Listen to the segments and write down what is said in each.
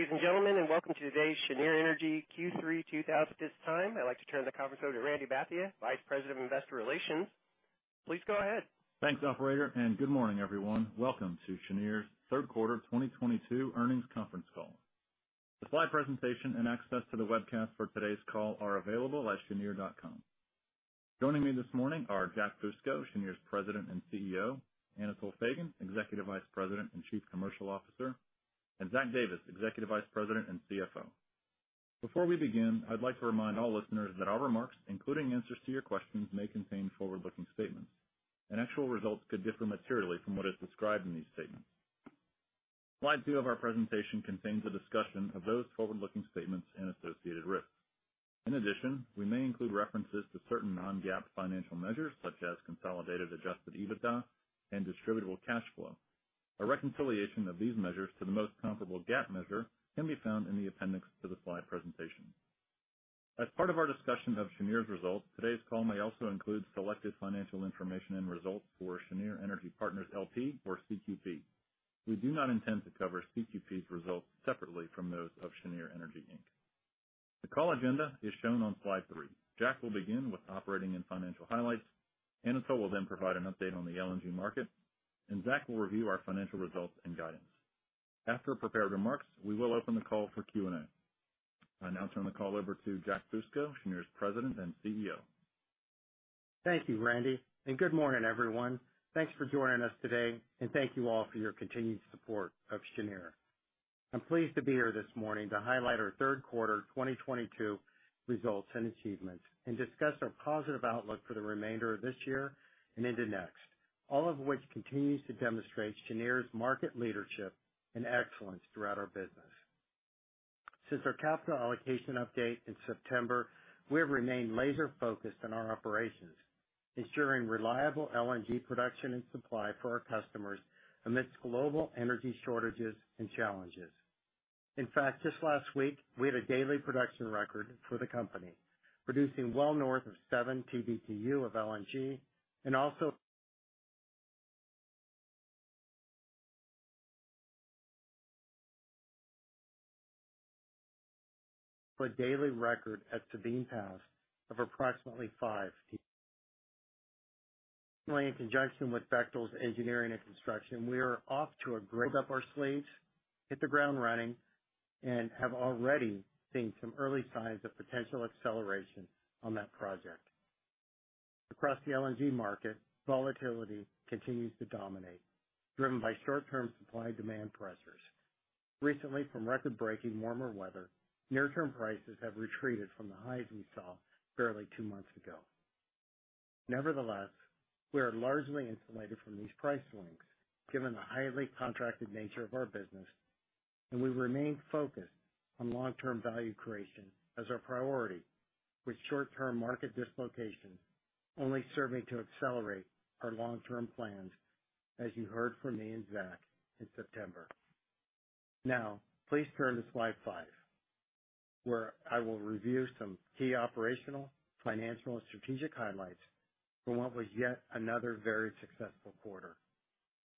Good day, ladies and gentlemen, and welcome to today's Cheniere Energy Q3 2022. At this time, I'd like to turn the conference over to Randy Bhatia, Vice President of Investor Relations. Please go ahead. Thanks, operator, and good morning, everyone. Welcome to Cheniere's third quarter 2022 earnings conference call. The slide presentation and access to the webcast for today's call are available at cheniere.com. Joining me this morning are Jack Fusco, Cheniere's President and CEO, Anatol Feygin, Executive Vice President and Chief Commercial Officer, and Zach Davis, Executive Vice President and CFO. Before we begin, I'd like to remind all listeners that our remarks, including answers to your questions, may contain forward-looking statements, and actual results could differ materially from what is described in these statements. Slide two of our presentation contains a discussion of those forward-looking statements and associated risks. In addition, we may include references to certain non-GAAP financial measures such as consolidated adjusted EBITDA and distributable cash flow. A reconciliation of these measures to the most comparable GAAP measure can be found in the appendix to the slide presentation. As part of our discussion of Cheniere's results, today's call may also include selected financial information and results for Cheniere Energy Partners, L.P., or CQP. We do not intend to cover CQP's results separately from those of Cheniere Energy, Inc. The call agenda is shown on slide three. Jack will begin with operating and financial highlights. Anatol will then provide an update on the LNG market, and Zach will review our financial results and guidance. After prepared remarks, we will open the call for Q&A. I'll now turn the call over to Jack Fusco, Cheniere's President and CEO. Thank you, Randy, and good morning, everyone. Thanks for joining us today, and thank you all for your continued support of Cheniere. I'm pleased to be here this morning to highlight our third quarter 2022 results and achievements and discuss our positive outlook for the remainder of this year and into next, all of which continues to demonstrate Cheniere's market leadership and excellence throughout our business. Since our capital allocation update in September, we have remained laser-focused on our operations, ensuring reliable LNG production and supply for our customers amidst global energy shortages and challenges. In fact, just last week we had a daily production record for the company, producing well north of seven TBTU of LNG and also a daily record at Sabine Pass of approximately five. In conjunction with Bechtel's engineering and construction, we are off to a great start, roll up our sleeves, hit the ground running, and have already seen some early signs of potential acceleration on that project. Across the LNG market, volatility continues to dominate, driven by short-term supply and demand pressures. Recently, record-breaking warmer weather, near-term prices have retreated from the highs we saw barely two months ago. Nevertheless, we are largely insulated from these price swings given the highly contracted nature of our business, and we remain focused on long-term value creation as our priority with short-term market dislocations only serving to accelerate our long-term plans, as you heard from me and Zach in September. Now, please turn to slide five, where I will review some key operational, financial, and strategic highlights for what was yet another very successful quarter.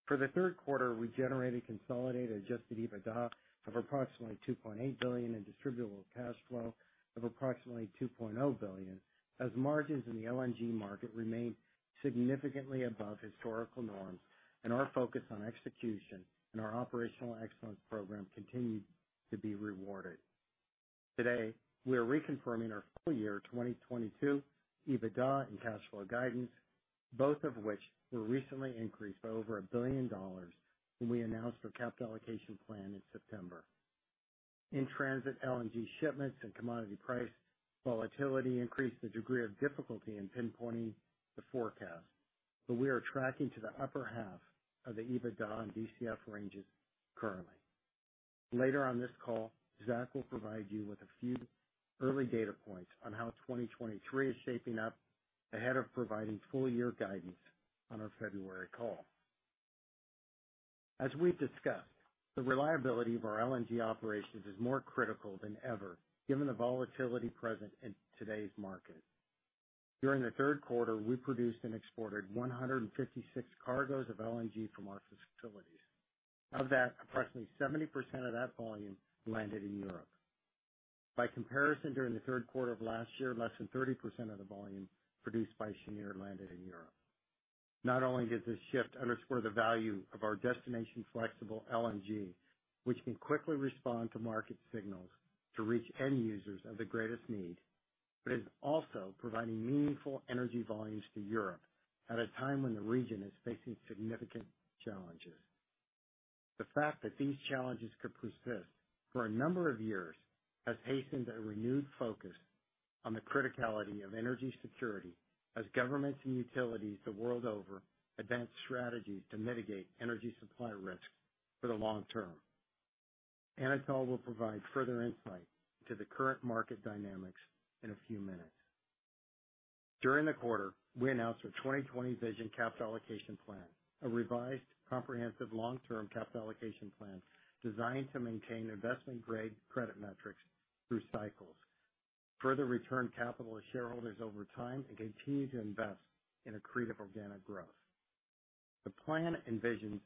For the third quarter, we generated consolidated adjusted EBITDA of approximately $2.8 billion and distributable cash flow of approximately $2.0 billion, as margins in the LNG market remained significantly above historical norms and our focus on execution and our operational excellence program continued to be rewarded. Today, we are reconfirming our full year 2022 EBITDA and cash flow guidance, both of which were recently increased by over $1 billion when we announced our capital allocation plan in September. In-transit LNG shipments and commodity price volatility increased the degree of difficulty in pinpointing the forecast, but we are tracking to the upper half of the EBITDA and DCF ranges currently. Later on this call, Zach will provide you with a few early data points on how 2023 is shaping up ahead of providing full year guidance on our February call. As we've discussed, the reliability of our LNG operations is more critical than ever given the volatility present in today's market. During the third quarter, we produced and exported 156 cargoes of LNG from our facilities. Of that, approximately 70% of that volume landed in Europe. By comparison, during the third quarter of last year, less than 30% of the volume produced by Cheniere landed in Europe. Not only does this shift underscore the value of our destination flexible LNG, which can quickly respond to market signals to reach end users of the greatest need, but is also providing meaningful energy volumes to Europe at a time when the region is facing significant challenges. The fact that these challenges could persist for a number of years has hastened a renewed focus on the criticality of energy security as governments and utilities the world over advance strategies to mitigate energy supply risks for the long term. Anatol will provide further insight into the current market dynamics in a few minutes. During the quarter, we announced our 2020 Vision capital allocation plan, a revised comprehensive long-term capital allocation plan designed to maintain investment-grade credit metrics through cycles, further return capital to shareholders over time, and continue to invest in accretive organic growth. The plan envisions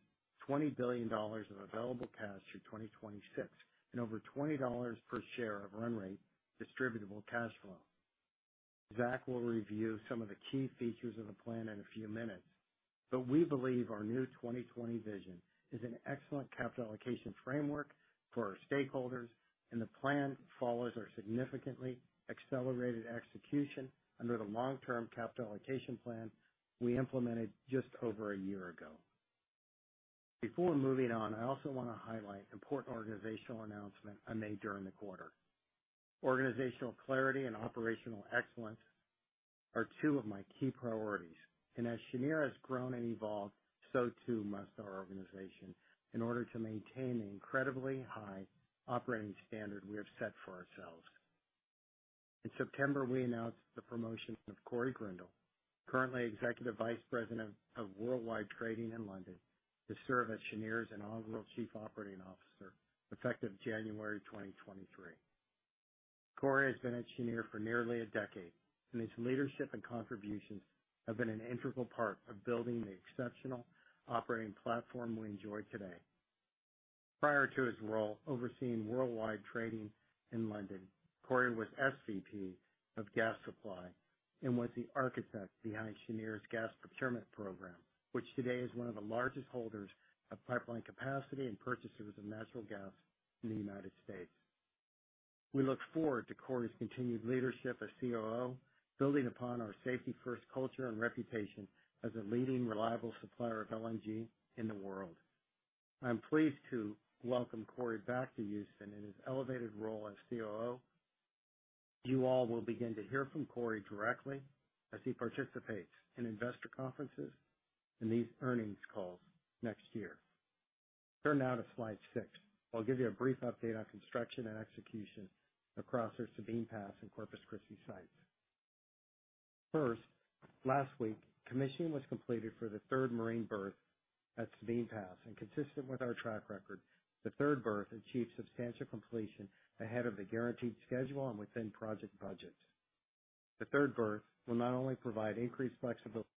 $20 billion of available cash through 2026, and over $20 per share of run rate distributable cash flow. Zach will review some of the key features of the plan in a few minutes, but we believe our new 2020 vision is an excellent capital allocation framework for our stakeholders, and the plan follows our significantly accelerated execution under the long-term capital allocation plan we implemented just over a year ago. Before moving on, I also wanna highlight important organizational announcement I made during the quarter. Organizational clarity and operational excellence are two of my key priorities. As Cheniere has grown and evolved, so too must our organization, in order to maintain the incredibly high operating standard we have set for ourselves. In September, we announced the promotion of Corey Grindal, currently Executive Vice President of Worldwide Trading in London, to serve as Cheniere's inaugural Chief Operating Officer, effective January 2023. Corey has been at Cheniere for nearly a decade, and his leadership and contributions have been an integral part of building the exceptional operating platform we enjoy today. Prior to his role overseeing worldwide trading in London, Corey was SVP of gas supply and was the architect behind Cheniere's gas procurement program, which today is one of the largest holders of pipeline capacity and purchasers of natural gas in the United States. We look forward to Corey's continued leadership as COO, building upon our safety-first culture and reputation as a leading reliable supplier of LNG in the world. I'm pleased to welcome Corey back to Houston in his elevated role as COO. You all will begin to hear from Corey directly as he participates in investor conferences and these earnings calls next year. Turn now to slide six. I'll give you a brief update on construction and execution across our Sabine Pass and Corpus Christi sites. First, last week, commissioning was completed for the third marine berth at Sabine Pass. Consistent with our track record, the third berth achieved substantial completion ahead of the guaranteed schedule and within project budgets. The third berth will not only provide increased flexibility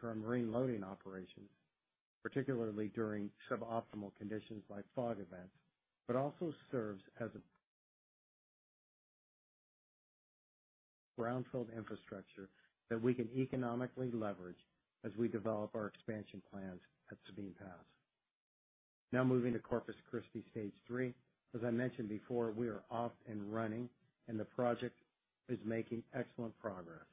to our marine loading operations, particularly during suboptimal conditions like fog events, but also serves as a ground field infrastructure that we can economically leverage as we develop our expansion plans at Sabine Pass. Now moving to Corpus Christi Stage 3. As I mentioned before, we are off and running, and the project is making excellent progress.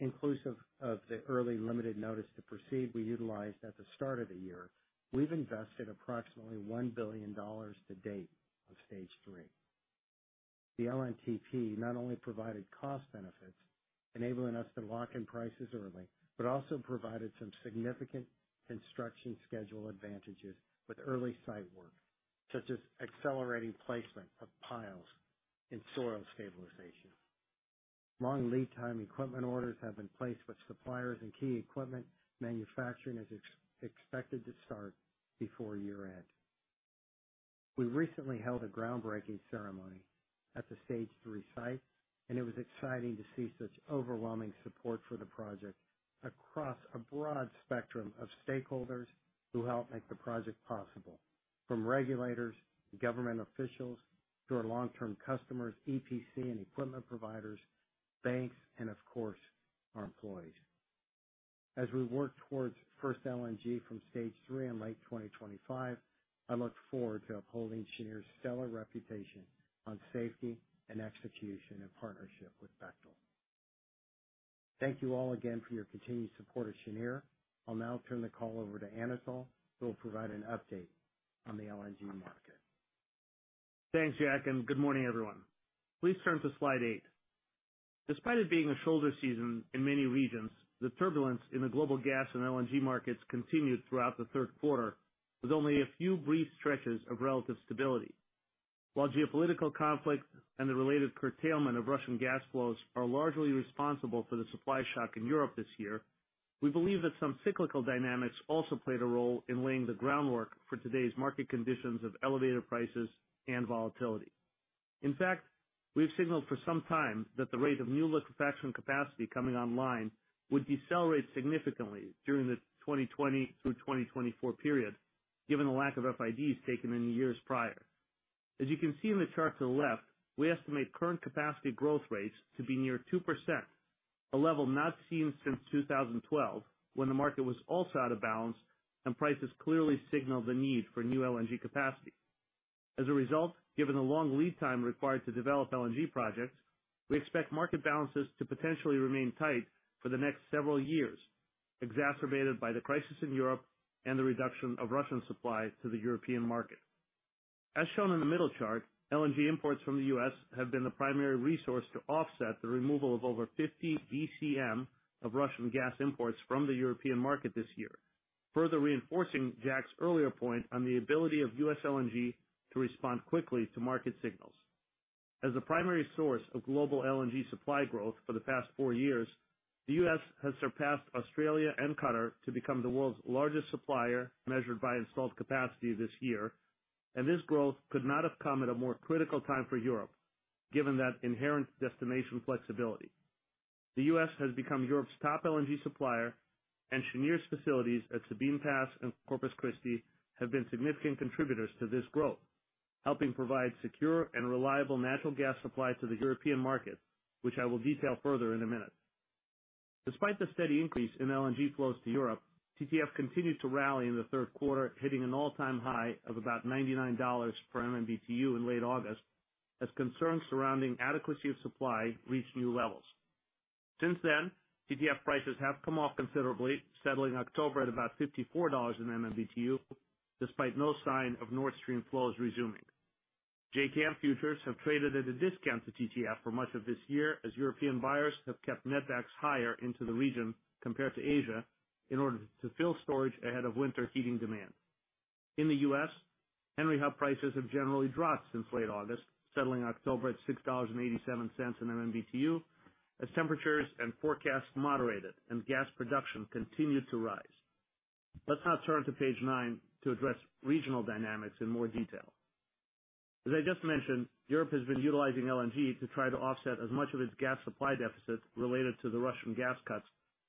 Inclusive of the early limited notice to proceed we utilized at the start of the year, we've invested approximately $1 billion to date on Stage 3. The LNTP not only provided cost benefits, enabling us to lock in prices early, but also provided some significant construction schedule advantages with early site work, such as accelerating placement of piles and soil stabilization. Long lead time equipment orders have been placed with suppliers, and key equipment manufacturing is expected to start before year-end. We recently held a groundbreaking ceremony at the Stage 3 site, and it was exciting to see such overwhelming support for the project across a broad spectrum of stakeholders who helped make the project possible, from regulators to government officials to our long-term customers, EPC and equipment providers, banks, and of course, our employees. As we work towards first LNG from Stage 3 in late 2025, I look forward to upholding Cheniere's stellar reputation on safety and execution in partnership with Bechtel. Thank you all again for your continued support of Cheniere. I'll now turn the call over to Anatol, who will provide an update on the LNG market. Thanks, Jack, and good morning, everyone. Please turn to slide eight. Despite it being a shoulder season in many regions, the turbulence in the global gas and LNG markets continued throughout the third quarter, with only a few brief stretches of relative stability. While geopolitical conflict and the related curtailment of Russian gas flows are largely responsible for the supply shock in Europe this year, we believe that some cyclical dynamics also played a role in laying the groundwork for today's market conditions of elevated prices and volatility. In fact, we've signaled for some time that the rate of new liquefaction capacity coming online would decelerate significantly during the 2020 through 2024 period, given the lack of FIDs taken in the years prior. As you can see in the chart to the left, we estimate current capacity growth rates to be near 2%, a level not seen since 2012, when the market was also out of balance and prices clearly signaled the need for new LNG capacity. Given the long lead time required to develop LNG projects, we expect market balances to potentially remain tight for the next several years, exacerbated by the crisis in Europe and the reduction of Russian supply to the European market. As shown in the middle chart, LNG imports from the US have been the primary resource to offset the removal of over 50 BCM of Russian gas imports from the European market this year, further reinforcing Jack's earlier point on the ability of US LNG to respond quickly to market signals. As the primary source of global LNG supply growth for the past four years, the U.S. has surpassed Australia and Qatar to become the world's largest supplier, measured by installed capacity this year. This growth could not have come at a more critical time for Europe, given that inherent destination flexibility, the U.S. has become Europe's top LNG supplier, and Cheniere's facilities at Sabine Pass and Corpus Christi have been significant contributors to this growth, helping provide secure and reliable natural gas supply to the European market, which I will detail further in a minute. Despite the steady increase in LNG flows to Europe, TTF continued to rally in the third quarter, hitting an all-time high of about $99 per MMBtu in late August, as concerns surrounding adequacy of supply reached new levels. Since then, TTF prices have come off considerably, settling October at about $54/MMBtu, despite no sign of Nord Stream flows resuming. JKM futures have traded at a discount to TTF for much of this year, as European buyers have kept netbacks higher into the region compared to Asia in order to fill storage ahead of winter heating demand. In the U.S., Henry Hub prices have generally dropped since late August, settling October at $6.87/MMBtu, as temperatures and forecasts moderated and gas production continued to rise. Let's now turn to page nine to address regional dynamics in more detail. As I just mentioned, Europe has been utilizing LNG to try to offset as much of its gas supply deficit related to the Russian gas cuts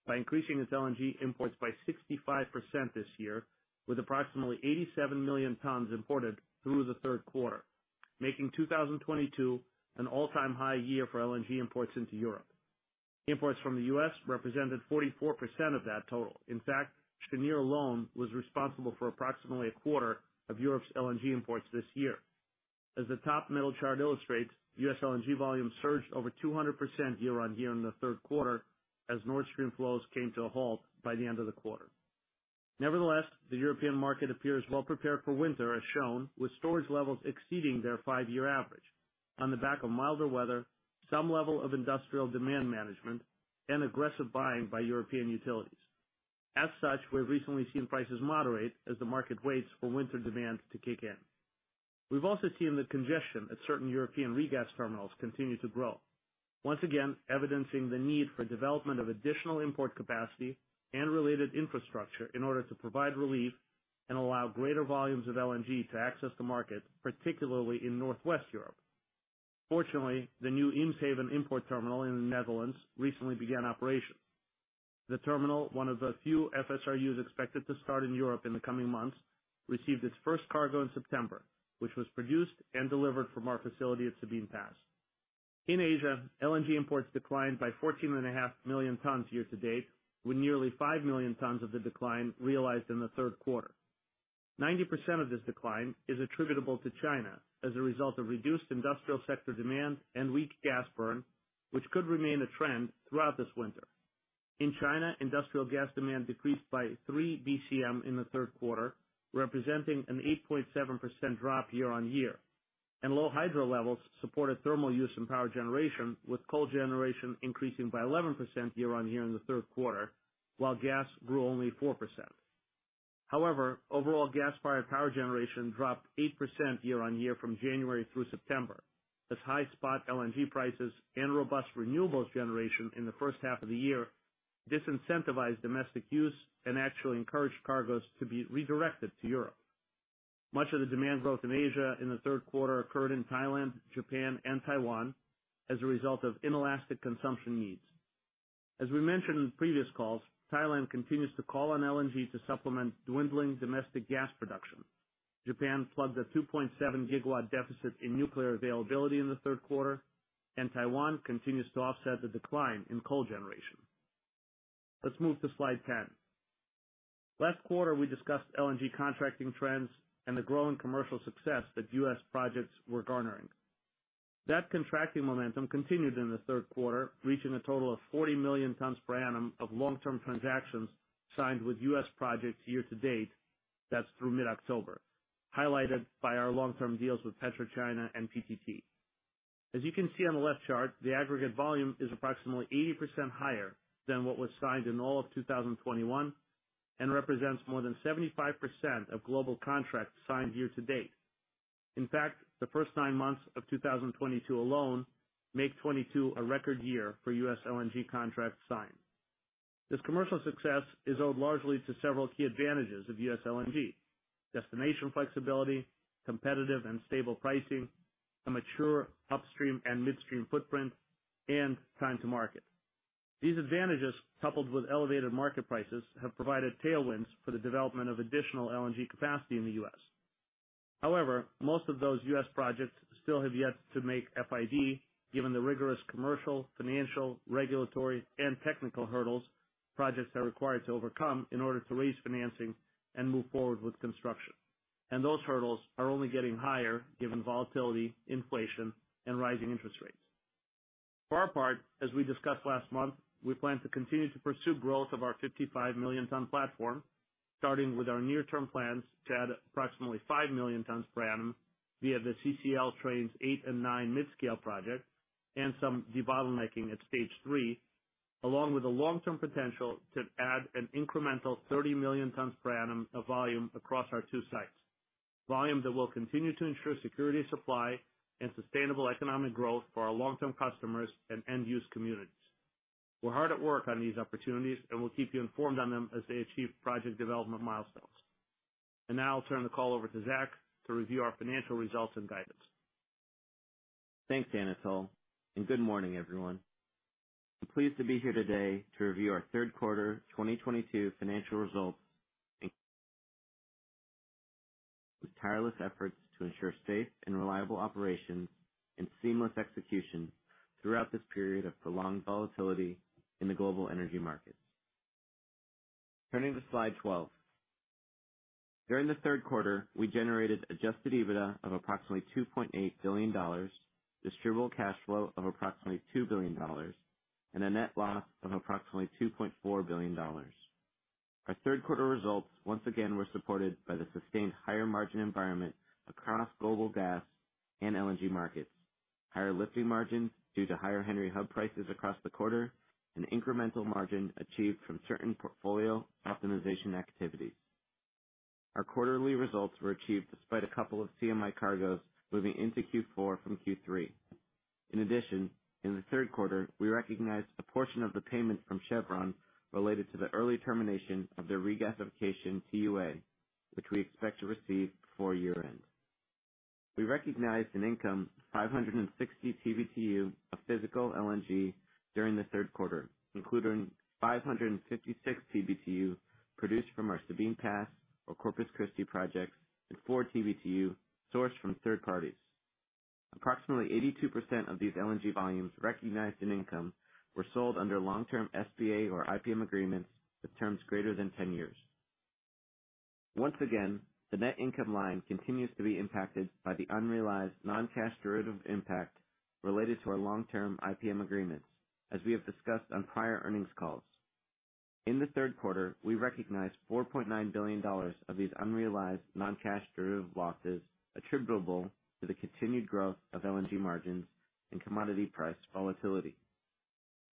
by increasing its LNG imports by 65% this year, with approximately 87 million tons imported through the third quarter, making 2022 an all-time high year for LNG imports into Europe. Imports from the U.S. represented 44% of that total. In fact, Cheniere alone was responsible for approximately a quarter of Europe's LNG imports this year. As the top middle chart illustrates, U.S. LNG volumes surged over 200% year-on-year in the third quarter, as Nord Stream flows came to a halt by the end of the quarter. Nevertheless, the European market appears well prepared for winter, as shown, with storage levels exceeding their five-year average on the back of milder weather, some level of industrial demand management, and aggressive buying by European utilities. As such, we've recently seen prices moderate as the market waits for winter demand to kick in. We've also seen the congestion at certain European regas terminals continue to grow, once again evidencing the need for development of additional import capacity and related infrastructure in order to provide relief and allow greater volumes of LNG to access the market, particularly in Northwest Europe. Fortunately, the new Eemshaven import terminal in the Netherlands recently began operation. The terminal, one of the few FSRUs expected to start in Europe in the coming months, received its first cargo in September, which was produced and delivered from our facility at Sabine Pass. In Asia, LNG imports declined by 14.5 million tons year-to-date, with nearly 5 million tons of the decline realized in the third quarter. 90% of this decline is attributable to China as a result of reduced industrial sector demand and weak gas burn, which could remain a trend throughout this winter. In China, industrial gas demand decreased by 3 BCM in the third quarter, representing an 8.7% drop year-on-year. Low hydro levels supported thermal use in power generation, with coal generation increasing by 11% year-on-year in the third quarter, while gas grew only 4%. However, overall gas-fired power generation dropped 8% year-on-year from January through September, as high spot LNG prices and robust renewables generation in the first half of the year disincentivized domestic use and actually encouraged cargoes to be redirected to Europe. Much of the demand growth in Asia in the third quarter occurred in Thailand, Japan, and Taiwan as a result of inelastic consumption needs. As we mentioned in previous calls, Thailand continues to call on LNG to supplement dwindling domestic gas production. Japan plugged a 2.7 GW deficit in nuclear availability in the third quarter, and Taiwan continues to offset the decline in coal generation. Let's move to slide 10. Last quarter, we discussed LNG contracting trends and the growing commercial success that U.S. projects were garnering. That contracting momentum continued in the third quarter, reaching a total of 40 million tons per annum of long-term transactions signed with U.S. projects year-to-date, that's through mid-October, highlighted by our long-term deals with PetroChina and PTT. As you can see on the left chart, the aggregate volume is approximately 80% higher than what was signed in all of 2021, and represents more than 75% of global contracts signed year-to-date. In fact, the first nine months of 2022 alone make 2022 a record year for U.S. LNG contracts signed. This commercial success is owed largely to several key advantages of U.S. LNG, destination flexibility, competitive and stable pricing, a mature upstream and midstream footprint, and time to market. These advantages, coupled with elevated market prices, have provided tailwinds for the development of additional LNG capacity in the U.S. However, most of those U.S. projects still have yet to make FID, given the rigorous commercial, financial, regulatory, and technical hurdles projects are required to overcome in order to raise financing and move forward with construction. Those hurdles are only getting higher given volatility, inflation, and rising interest rates. For our part, as we discussed last month, we plan to continue to pursue growth of our 55 million-ton platform, starting with our near-term plans to add approximately 5 million tons per annum via the CCL Trains Eight and Nine mid-scale project and some debottlenecking at Stage 3, along with the long-term potential to add an incremental 30 million tons per annum of volume across our two sites. Volume that will continue to ensure security of supply and sustainable economic growth for our long-term customers and end-use communities. We're hard at work on these opportunities, and we'll keep you informed on them as they achieve project development milestones. Now I'll turn the call over to Zach to review our financial results and guidance. Thanks, Anatol, and good morning, everyone. I'm pleased to be here today to review our third quarter 2022 financial results and with tireless efforts to ensure safe and reliable operations and seamless execution throughout this period of prolonged volatility in the global energy markets. Turning to slide 12. During the third quarter, we generated adjusted EBITDA of approximately $2.8 billion, distributable cash flow of approximately $2 billion, and a net loss of approximately $2.4 billion. Our third quarter results, once again, were supported by the sustained higher margin environment across global gas and LNG markets, higher lifting margins due to higher Henry Hub prices across the quarter, and incremental margin achieved from certain portfolio optimization activities. Our quarterly results were achieved despite a couple of CMI cargoes moving into Q4 from Q3. In addition, in the third quarter, we recognized a portion of the payment from Chevron related to the early termination of their regasification TUA, which we expect to receive before year-end. We recognized income of 560 PBtu of physical LNG during the third quarter, including 556 PBtu produced from our Sabine Pass or Corpus Christi projects, and 4 PBtu sourced from third parties. Approximately 82% of these LNG volumes recognized in income were sold under long-term SPA or IPM agreements with terms greater than 10 years. Once again, the net income line continues to be impacted by the unrealized non-cash derivative impact related to our long-term IPM agreements, as we have discussed on prior earnings calls. In the third quarter, we recognized $4.9 billion of these unrealized non-cash derivative losses attributable to the continued growth of LNG margins and commodity price volatility.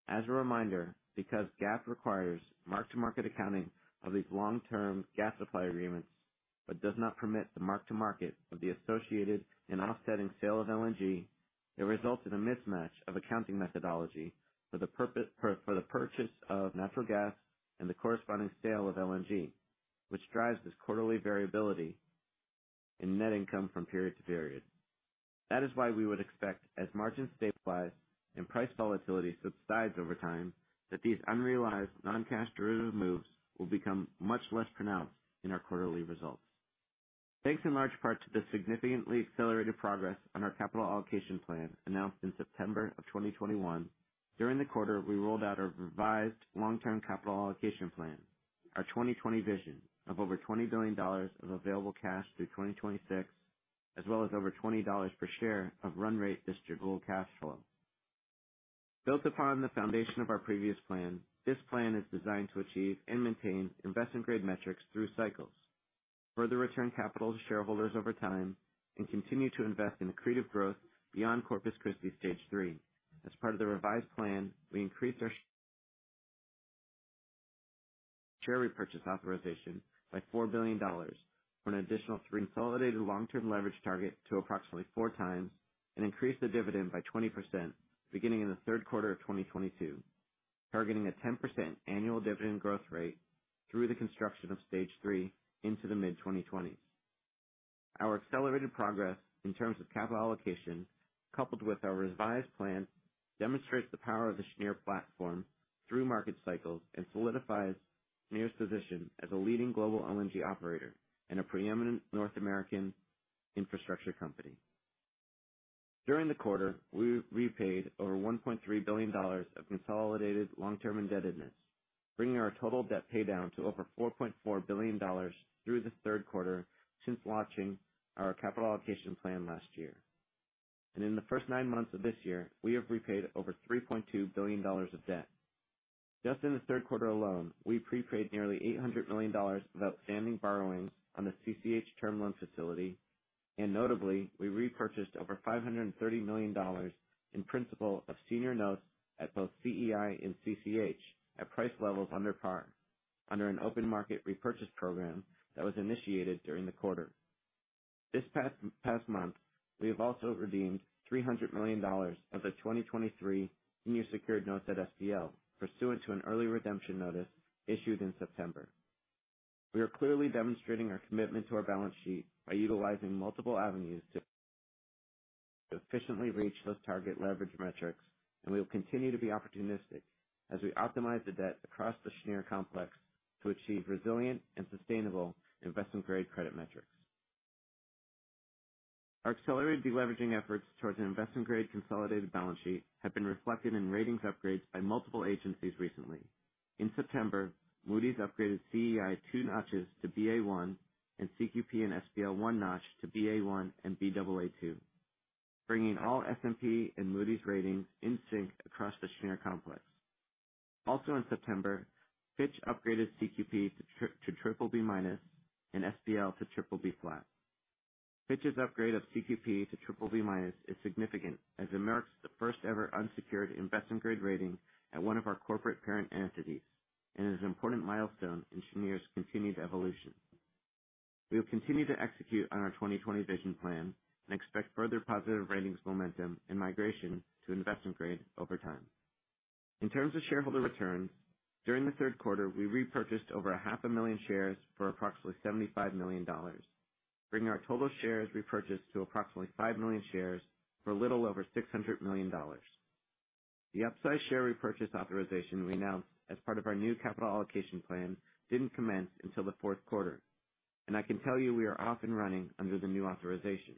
As a reminder, because GAAP requires mark-to-market accounting of these long-term gas supply agreements, but does not permit the mark-to-market of the associated and offsetting sale of LNG, it results in a mismatch of accounting methodology for the purchase of natural gas and the corresponding sale of LNG, which drives this quarterly variability in net income from period to period. That is why we would expect, as margins stabilize and price volatility subsides over time, that these unrealized non-cash derivative moves will become much less pronounced in our quarterly results. Thanks in large part to the significantly accelerated progress on our capital allocation plan announced in September of 2021, during the quarter, we rolled out our revised long-term capital allocation plan, our 20/20 vision of over $20 billion of available cash through 2026, as well as over $20 per share of run rate distributable cash flow. Built upon the foundation of our previous plan, this plan is designed to achieve and maintain investment-grade metrics through cycles, further return capital to shareholders over time, and continue to invest in accretive growth beyond Corpus Christi Stage 3. As part of the revised plan, we increased our share repurchase authorization by $4 billion to an additional 3x consolidated long-term leverage target to approximately 4x, and increased the dividend by 20% beginning in the third quarter of 2022, targeting a 10% annual dividend growth rate through the construction of Stage 3 into the mid-2020s. Our accelerated progress in terms of capital allocation, coupled with our revised plan, demonstrates the power of the Cheniere platform through market cycles and solidifies Cheniere's position as a leading global LNG operator and a preeminent North American infrastructure company. During the quarter, we repaid over $1.3 billion of consolidated long-term indebtedness, bringing our total debt paydown to over $4.4 billion through the third quarter since launching our capital allocation plan last year. In the first nine months of this year, we have repaid over $3.2 billion of debt. Just in the third quarter alone, we prepaid nearly $800 million of outstanding borrowings on the CCH term loan facility, and notably, we repurchased over $530 million in principal of senior notes at both CEI and CCH at price levels under par under an open market repurchase program that was initiated during the quarter. This past month, we have also redeemed $300 million of the 2023 senior secured notes at SPL pursuant to an early redemption notice issued in September. We are clearly demonstrating our commitment to our balance sheet by utilizing multiple avenues to efficiently reach those target leverage metrics, and we will continue to be opportunistic as we optimize the debt across the Cheniere complex to achieve resilient and sustainable investment-grade credit metrics. Our accelerated deleveraging efforts towards an investment-grade consolidated balance sheet have been reflected in ratings upgrades by multiple agencies recently. In September, Moody's upgraded CEI two notches to Ba1 and CQP and SPL one notch to Ba1 and Baa2, bringing all S&P and Moody's ratings in sync across the Cheniere complex. Also in September, Fitch upgraded CQP to triple-B minus and SPL to BBB flat. Fitch's upgrade of CQP to BBB minus is significant as it marks the first ever unsecured investment-grade rating at one of our corporate parent entities and is an important milestone in Cheniere's continued evolution. We will continue to execute on our 2020 Vision Plan and expect further positive ratings momentum and migration to investment grade over time. In terms of shareholder returns, during the third quarter, we repurchased over 500,000 shares for approximately $75 million, bringing our total shares repurchased to approximately five million shares for a little over $600 million. The upside share repurchase authorization we announced as part of our new capital allocation plan didn't commence until the fourth quarter, and I can tell you we are off and running under the new authorization,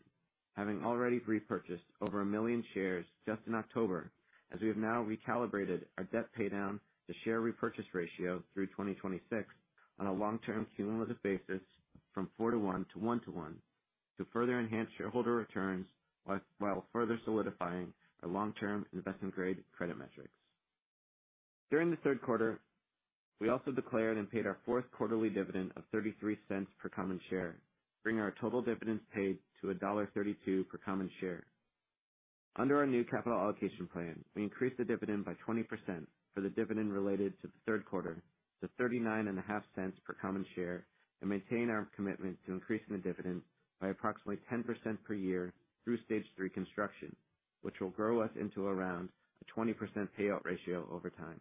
having already repurchased over one million shares just in October, as we have now recalibrated our debt paydown to share repurchase ratio through 2026 on a long-term cumulative basis from four to one to one to one to further enhance shareholder returns while further solidifying our long-term investment grade credit metrics. During the third quarter, we also declared and paid our fourth quarterly dividend of $0.33 per common share, bringing our total dividends paid to $1.32 per common share. Under our new capital allocation plan, we increased the dividend by 20% for the dividend related to the third quarter to $0.395 per common share, and maintain our commitment to increasing the dividend by approximately 10% per year through Stage 3 construction, which will grow us into around a 20% payout ratio over time.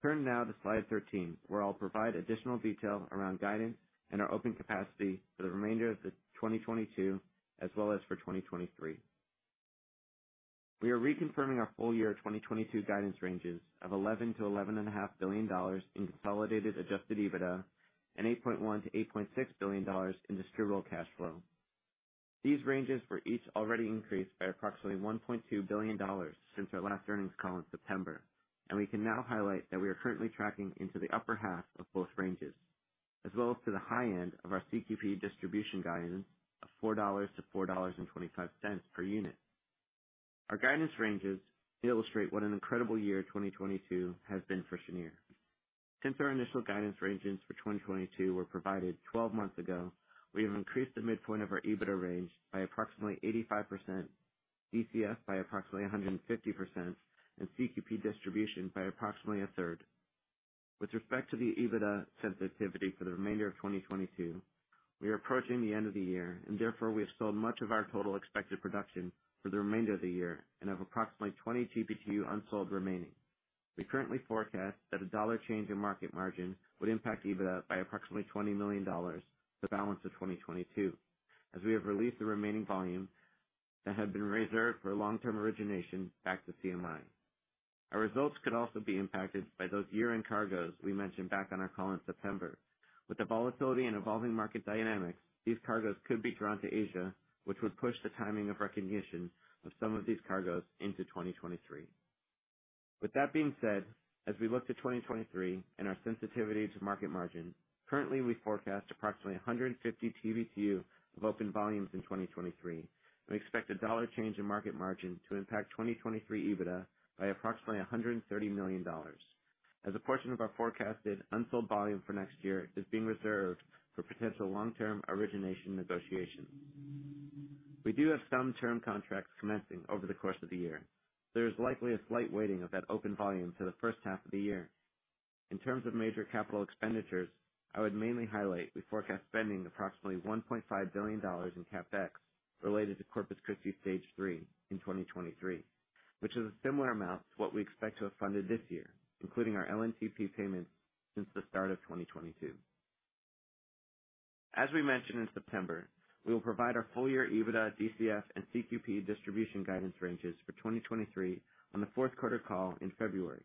Turn now to slide 13, where I'll provide additional detail around guidance and our open capacity for the remainder of 2022 as well as for 2023. We are reconfirming our full year 2022 guidance ranges of $11 billion-$11.5 billion in consolidated adjusted EBITDA and $8.1 billion-$8.6 billion in distributable cash flow. These ranges were each already increased by approximately $1.2 billion since our last earnings call in September, and we can now highlight that we are currently tracking into the upper half of both ranges, as well as to the high end of our CQP distribution guidance of $4-$4.25 per unit. Our guidance ranges illustrate what an incredible year 2022 has been for Cheniere. Since our initial guidance ranges for 2022 were provided 12 months ago, we have increased the midpoint of our EBITDA range by approximately 85%, DCF by approximately 150%, and CQP distribution by approximately a third. With respect to the EBITDA sensitivity for the remainder of 2022, we are approaching the end of the year and therefore we have sold much of our total expected production for the remainder of the year and have approximately 20 TBtu unsold remaining. We currently forecast that a dollar change in market margin would impact EBITDA by approximately $20 million for the balance of 2022, as we have released the remaining volume that had been reserved for long-term origination back to CMI. Our results could also be impacted by those year-end cargoes we mentioned back on our call in September. With the volatility and evolving market dynamics, these cargoes could be drawn to Asia, which would push the timing of recognition of some of these cargoes into 2023. With that being said, as we look to 2023 and our sensitivity to market margin, currently we forecast approximately 150 TBtu of open volumes in 2023. We expect a dollar change in market margin to impact 2023 EBITDA by approximately $130 million as a portion of our forecasted unsold volume for next year is being reserved for potential long-term origination negotiations. We do have some term contracts commencing over the course of the year. There is likely a slight weighting of that open volume to the first half of the year. In terms of major capital expenditures, I would mainly highlight we forecast spending approximately $1.5 billion in CapEx related to Corpus Christi Stage 3 in 2023, which is a similar amount to what we expect to have funded this year, including our LNTP payments since the start of 2022. We mentioned in September, we will provide our full-year EBITDA, DCF, and CQP distribution guidance ranges for 2023 on the fourth quarter call in February.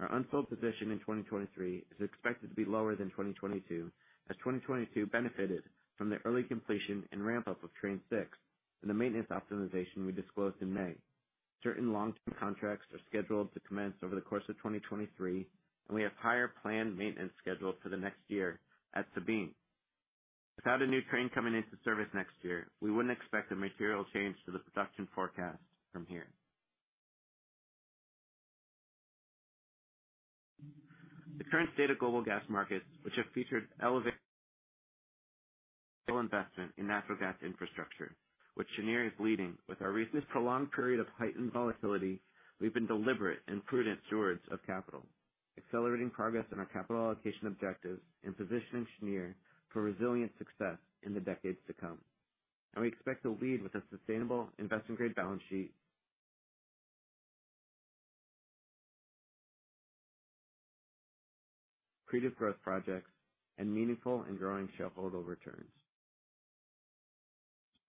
Our unsold position in 2023 is expected to be lower than 2022, as 2022 benefited from the early completion and ramp-up of train six and the maintenance optimization we disclosed in May. Certain long-term contracts are scheduled to commence over the course of 2023, and we have higher planned maintenance scheduled for the next year at Sabine. Without a new train coming into service next year, we wouldn't expect a material change to the production forecast from here. The current state of global gas markets, which have featured elevated investment in natural gas infrastructure, which Cheniere is leading. With our recent prolonged period of heightened volatility, we've been deliberate and prudent stewards of capital, accelerating progress on our capital allocation objectives and positioning Cheniere for resilient success in the decades to come. We expect to lead with a sustainable investment-grade balance sheet, creative growth projects, and meaningful and growing shareholder returns.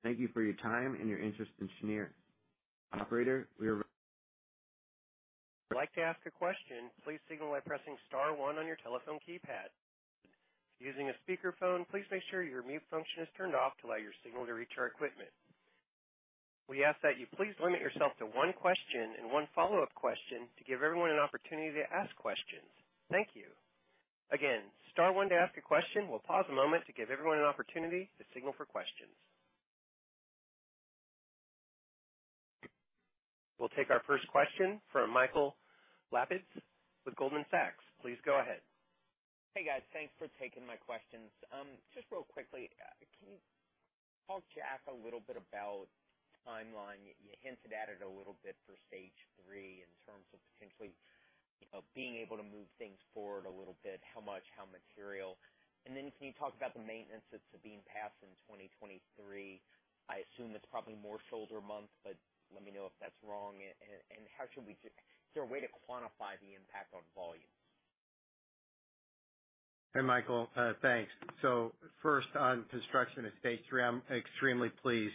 Thank you for your time and your interest in Cheniere. Operator, we are If you would like to ask a question, please signal by pressing star one on your telephone keypad. If using a speakerphone, please make sure your mute function is turned off to allow your signal to reach our equipment. We ask that you please limit yourself to one question and one follow-up question to give everyone an opportunity to ask questions. Thank you. Again, star one to ask a question. We'll pause a moment to give everyone an opportunity to signal for questions. We'll take our first question from Michael Lapides with Goldman Sachs. Please go ahead. Hey, guys. Thanks for taking my questions. Just real quickly, can you talk, Jack, a little bit about timeline? You hinted at it a little bit for Stage 3 in terms of potentially You know, being able to move things forward a little bit, how much, how material? Then can you talk about the maintenance that's being passed in 2023? I assume it's probably more shoulder month, but let me know if that's wrong. Is there a way to quantify the impact on volumes? Hey, Michael. Thanks. First on construction of Stage 3, I'm extremely pleased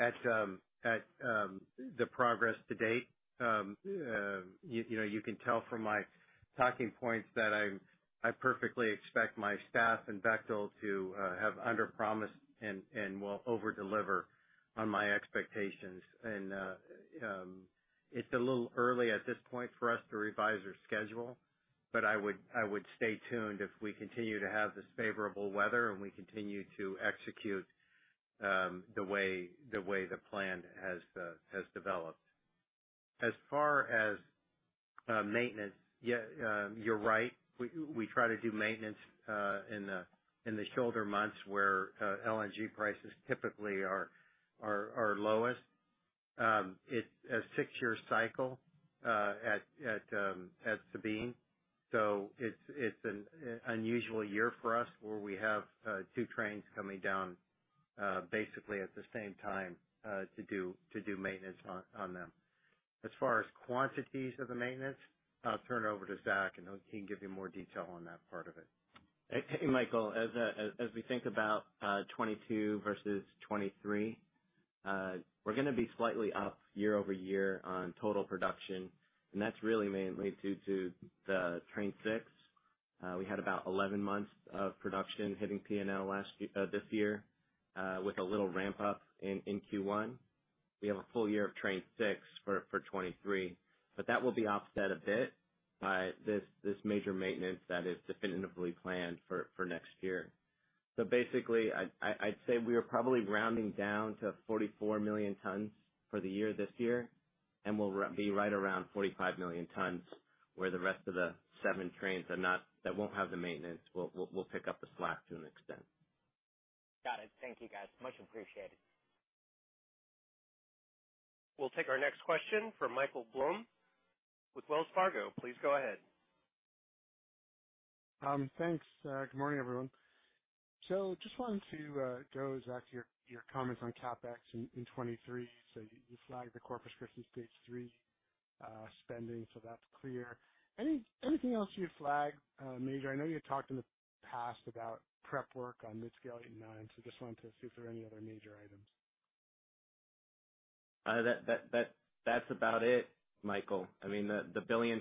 at the progress to date. You know, you can tell from my talking points that I perfectly expect my staff and Bechtel to underpromise and will overdeliver on my expectations. It's a little early at this point for us to revise our schedule, but I would stay tuned if we continue to have this favorable weather and we continue to execute the way the plan has developed. As far as maintenance, yeah, you're right. We try to do maintenance in the shoulder months where LNG prices typically are lowest. It's a six-year cycle at Sabine Pass. It's an unusual year for us, where we have two trains coming down basically at the same time to do maintenance on them. As far as quantities of the maintenance, I'll turn it over to Zach, and he can give you more detail on that part of it. Hey, Michael, as we think about 2022 versus 2023, we're gonna be slightly up year-over-year on total production, and that's really mainly due to the train six. We had about 11 months of production hitting P&L last year, this year, with a little ramp-up in Q1. We have a full year of train six for 2023, but that will be offset a bit by this major maintenance that is definitively planned for next year. Basically, I'd say we are probably rounding down to 44 million tons for the year this year, and we'll be right around 45 million tons, where the rest of the seven trains that won't have the maintenance will pick up the slack to an extent. Got it. Thank you, guys. Much appreciated. We'll take our next question from Michael Blum with Wells Fargo. Please go ahead. Thanks. Good morning, everyone. Just wanted to go, Zach, to your comments on CapEx in 2023. You flagged the Corpus Christi Stage 3 spending, so that's clear. Anything else you'd flag major? I know you talked in the past about prep work on midscale eight and nine. Just wanted to see if there are any other major items. That's about it, Michael. I mean, the $1.5 billion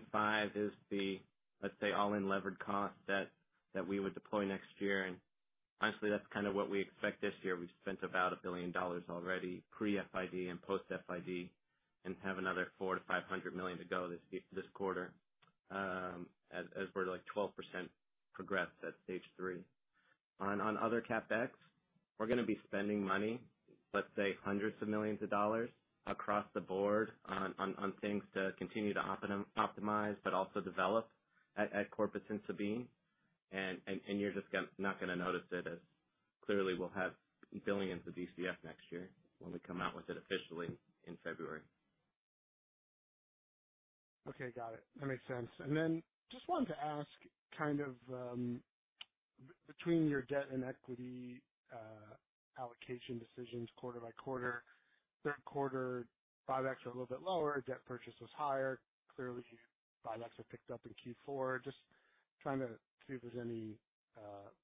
is the, let's say, all-in levered cost that we would deploy next year. Honestly, that's kind of what we expect this year. We've spent about $1 billion already pre-FID and post-FID, and have another $400 million-$500 million to go this quarter, as we're, like, 12% progressed at Stage 3. On other CapEx, we're gonna be spending money, let's say hundreds of millions of dollars across the board on things to continue to optimize, but also develop at Corpus and Sabine. You're just not gonna notice it, as clearly we'll have billions of BCF next year when we come out with it officially in February. Okay, got it. That makes sense. Then just wanted to ask kind of, between your debt and equity allocation decisions quarter by quarter, third quarter, buybacks are a little bit lower. Debt purchase was higher. Clearly, buybacks have picked up in Q4. Just trying to see if there's any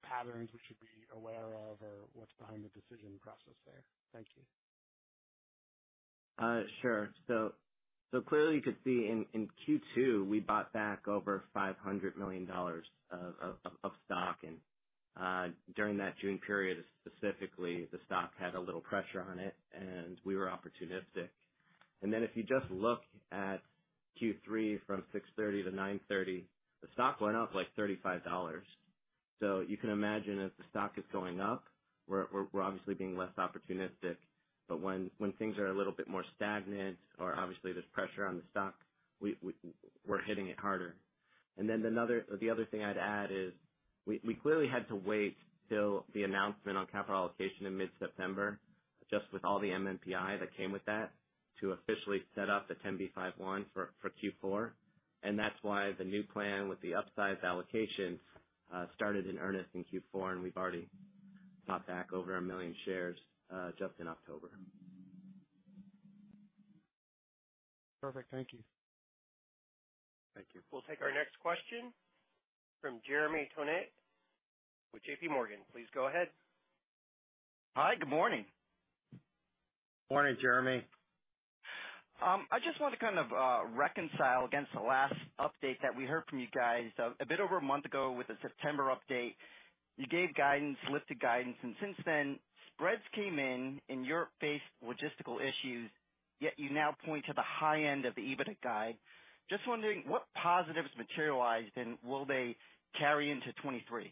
patterns we should be aware of or what's behind the decision process there. Thank you. Sure. Clearly you could see in Q2, we bought back over $500 million of stock. During that June period specifically, the stock had a little pressure on it, and we were opportunistic. If you just look at Q3 from 6/30 to 9/30, the stock went up, like, $35. You can imagine as the stock is going up, we're obviously being less opportunistic. When things are a little bit more stagnant or obviously there's pressure on the stock, we're hitting it harder. The other thing I'd add is we clearly had to wait till the announcement on capital allocation in mid-September, just with all the MNPI that came with that, to officially set up the 10b5-1 for Q4. That's why the new plan with the upsized allocations started in earnest in Q4, and we've already bought back over 1 million shares just in October. Perfect. Thank you. Thank you. We'll take our next question from Jeremy Tonet with JPMorgan. Please go ahead. Hi. Good morning. Morning, Jeremy. I just want to kind of reconcile against the last update that we heard from you guys a bit over a month ago with the September update. You gave guidance, lifted guidance. Since then, spreads came in and you're faced logistical issues, yet you now point to the high end of the EBIT guide. Just wondering what positives materialized, and will they carry into 2023?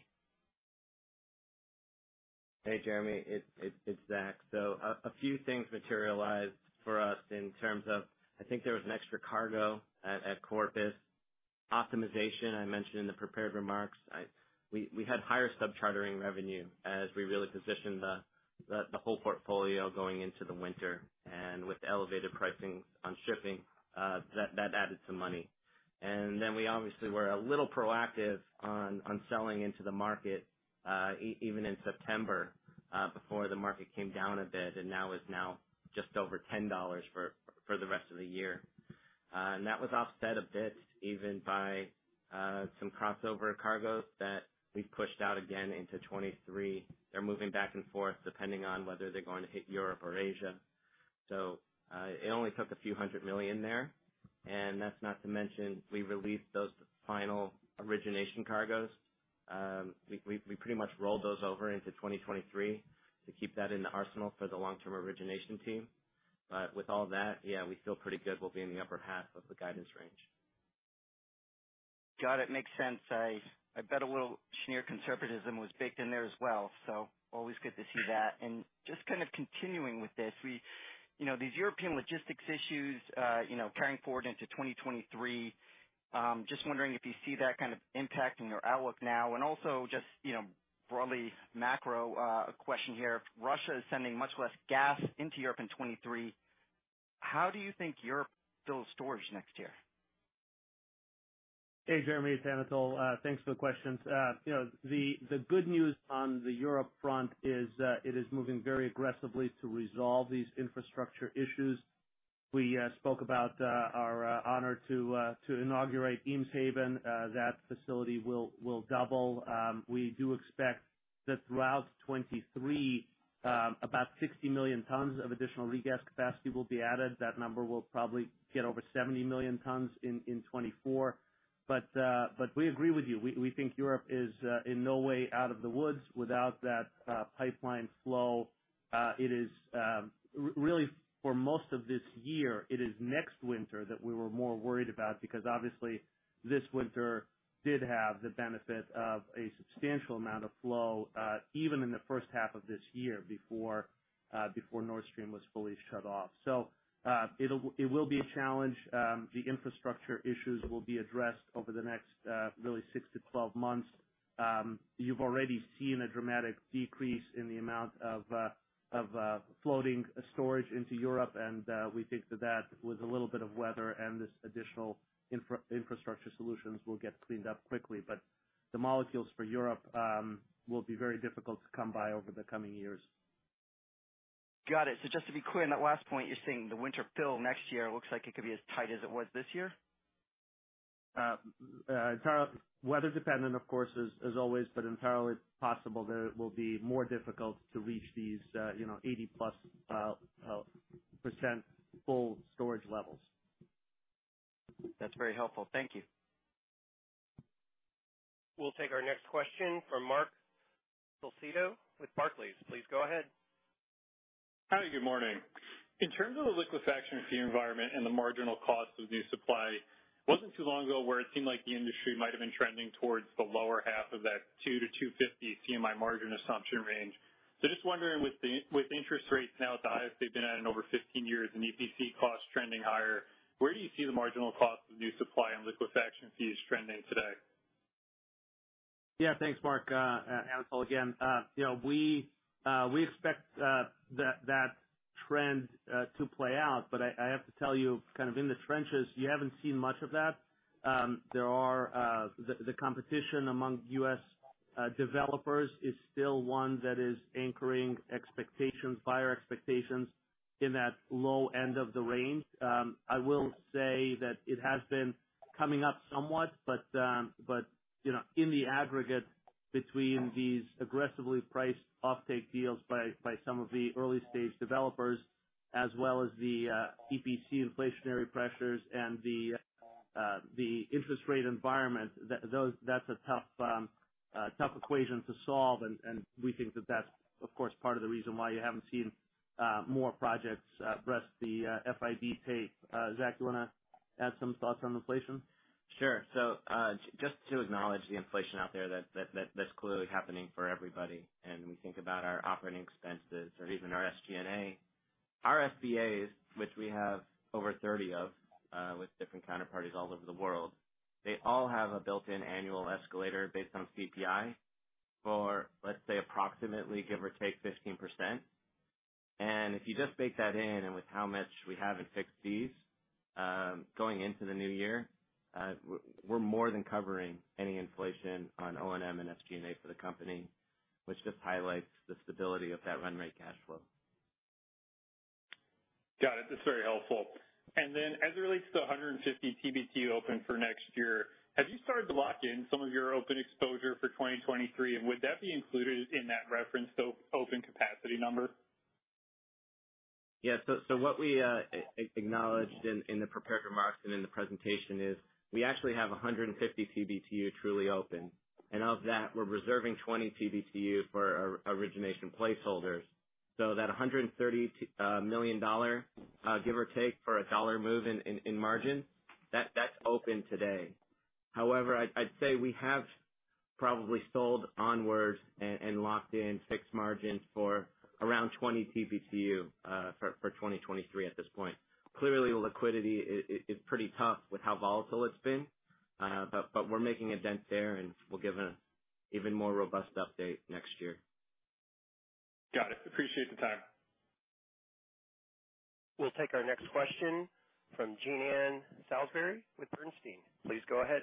Hey, Jeremy, it's Zach. A few things materialized for us in terms of. I think there was an extra cargo at Corpus. Optimization I mentioned in the prepared remarks. We had higher sub-chartering revenue as we really positioned the whole portfolio going into the winter and with the elevated pricing on shipping, that added some money. We obviously were a little proactive on selling into the market, even in September, before the market came down a bit, and now it's just over $10 for the rest of the year. That was offset a bit even by some crossover cargoes that we've pushed out again into 2023. They're moving back and forth, depending on whether they're going to hit Europe or Asia. It only took a few hundred million there, and that's not to mention we released those final origination cargoes. We pretty much rolled those over into 2023 to keep that in the arsenal for the long-term origination team. With all that, yeah, we feel pretty good we'll be in the upper half of the guidance range. Got it. Makes sense. I bet a little sheer conservatism was baked in there as well, so always good to see that. Just kind of continuing with this, you know, these European logistics issues, you know, carrying forward into 2023, just wondering if you see that kind of impacting your outlook now. Also just, you know, broadly macro, question here. If Russia is sending much less gas into Europe in 2023, how do you think Europe fills storage next years? Hey, Jeremy. It's Anatol. Thanks for the questions. You know, the good news on the Europe front is it is moving very aggressively to resolve these infrastructure issues. We spoke about our honor to inaugurate Eemshaven. That facility will double. We do expect that throughout 2023, about 60 million tons of additional regas capacity will be added. That number will probably get over 70 million tons in 2024. We agree with you. We think Europe is in no way out of the woods without that pipeline flow. It is really for most of this year. It is next winter that we were more worried about because obviously this winter did have the benefit of a substantial amount of flow, even in the first half of this year before Nord Stream was fully shut off. It will be a challenge. The infrastructure issues will be addressed over the next really six to 12 months. You've already seen a dramatic decrease in the amount of floating storage into Europe, and we think that with a little bit of weather and this additional infrastructure solutions will get cleaned up quickly. The molecules for Europe will be very difficult to come by over the coming years. Got it. Just to be clear, on that last point, you're saying the winter fill next year looks like it could be as tight as it was this year? Entirely weather dependent, of course, as always, but entirely possible that it will be more difficult to reach these, you know, 80%+ full storage levels. That's very helpful. Thank you. We'll take our next question from Marc Solecitto with Barclays. Please go ahead. Hi. Good morning. In terms of the liquefaction fee environment and the marginal cost of new supply, it wasn't too long ago where it seemed like the industry might have been trending towards the lower half of that $2-$2.50 CMI margin assumption range. Just wondering, with interest rates now the highest they've been at in over 15 years and EPC costs trending higher, where do you see the marginal cost of new supply and liquefaction fees trending today? Yeah. Thanks, Marc. Anatol again. You know, we expect that trend to play out, but I have to tell you, kind of in the trenches, you haven't seen much of that. The competition among U.S. developers is still one that is anchoring expectations, buyer expectations in that low end of the range. I will say that it has been coming up somewhat, but you know, in the aggregate between these aggressively priced offtake deals by some of the early stage developers, as well as the EPC inflationary pressures and the interest rate environment, that's a tough equation to solve. We think that that's, of course, part of the reason why you haven't seen more projects press the FID tape. Zach, do you wanna add some thoughts on inflation? Sure. Just to acknowledge the inflation out there, that's clearly happening for everybody, and we think about our operating expenses or even our SG&A. Our SPAs, which we have over 30 of, with different counterparties all over the world, they all have a built-in annual escalator based on CPI for, let's say, approximately, give or take, 15%. If you just bake that in and with how much we have in fixed fees, going into the new year, we're more than covering any inflation on O&M and SG&A for the company, which just highlights the stability of that run rate cash flow. Got it. That's very helpful. As it relates to the 150 TBTU open for next year, have you started to lock in some of your open exposure for 2023? And would that be included in that referenced open capacity number? What we acknowledged in the prepared remarks and in the presentation is we actually have 150 TBTU truly open. Of that, we're reserving 20 TBTU for origination placeholders. That $130 million, give or take, for a dollar move in margin, that's open today. However, I'd say we have probably sold onwards and locked in fixed margins for around 20 TBTU for 2023 at this point. Clearly, liquidity is pretty tough with how volatile it's been. We're making a dent there, and we'll give an even more robust update next year. Got it. Appreciate the time. We'll take our next question from Jean Ann Salisbury with Bernstein. Please go ahead.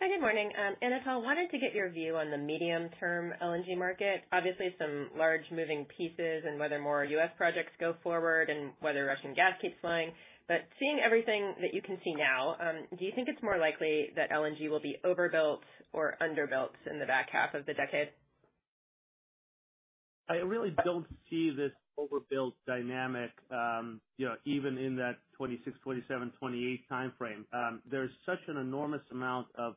Hi, good morning. Anatol, wanted to get your view on the medium-term LNG market. Obviously, some large moving pieces and whether more U.S. projects go forward and whether Russian gas keeps flowing. Seeing everything that you can see now, do you think it's more likely that LNG will be overbuilt or underbuilt in the back half of the decade? I really don't see this overbuilt dynamic, you know, even in that 2026, 2027, 2028 timeframe. There's such an enormous amount of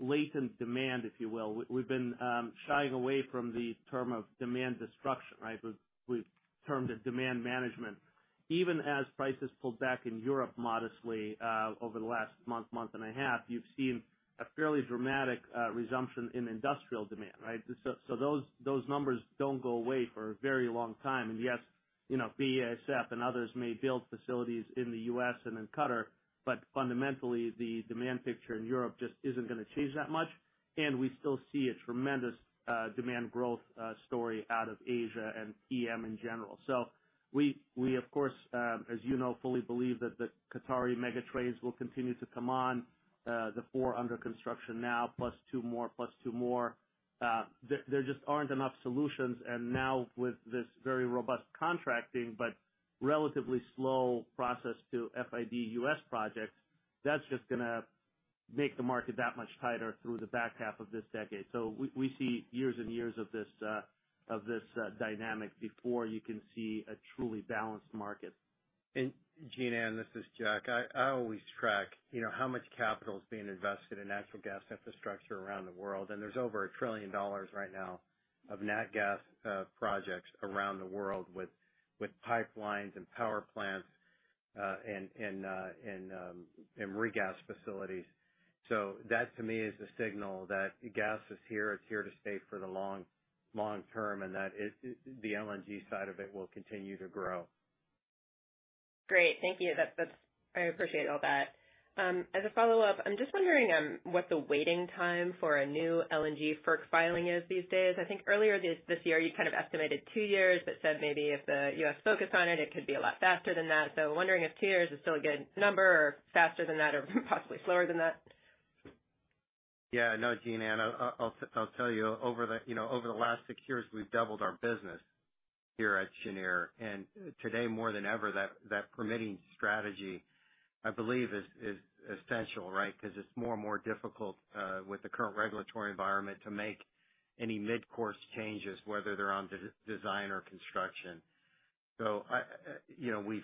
latent demand, if you will. We've been shying away from the term of demand destruction, right? We've termed it demand management. Even as prices pulled back in Europe modestly, over the last month and a half, you've seen a fairly dramatic resumption in industrial demand, right? Those numbers don't go away for a very long time. Yes, you know, BASF and others may build facilities in the U.S. and in Qatar, but fundamentally, the demand picture in Europe just isn't gonna change that much. We still see a tremendous demand growth story out of Asia and EM in general. We of course, as you know, fully believe that the Qatari mega trades will continue to come on, the four under construction now, plus two more, plus two more. There just aren't enough solutions. Now with this very robust contracting but relatively slow process to FID U.S. projects, that's just gonna make the market that much tighter through the back half of this decade. We see years and years of this dynamic before you can see a truly balanced market. Jean Ann, this is Jack. I always track, you know, how much capital is being invested in natural gas infrastructure around the world, and there's over $1 trillion right now of nat gas projects around the world with pipelines and power plants, and regas facilities. That to me is the signal that gas is here, it's here to stay for the long, long term, and that the LNG side of it will continue to grow. Great. Thank you. That's. I appreciate all that. As a follow-up, I'm just wondering what the waiting time for a new LNG FERC filing is these days. I think earlier this year, you kind of estimated two years, but said maybe if the U.S. focused on it could be a lot faster than that. Wondering if two years is still a good number or faster than that or possibly slower than that. Yeah. No, Jean Ann, I'll tell you over the, you know, over the last six years, we've doubled our business here at Cheniere. Today, more than ever, that permitting strategy I believe is essential, right? Because it's more and more difficult with the current regulatory environment to make any mid-course changes, whether they're on de..., design or construction. I, you know, we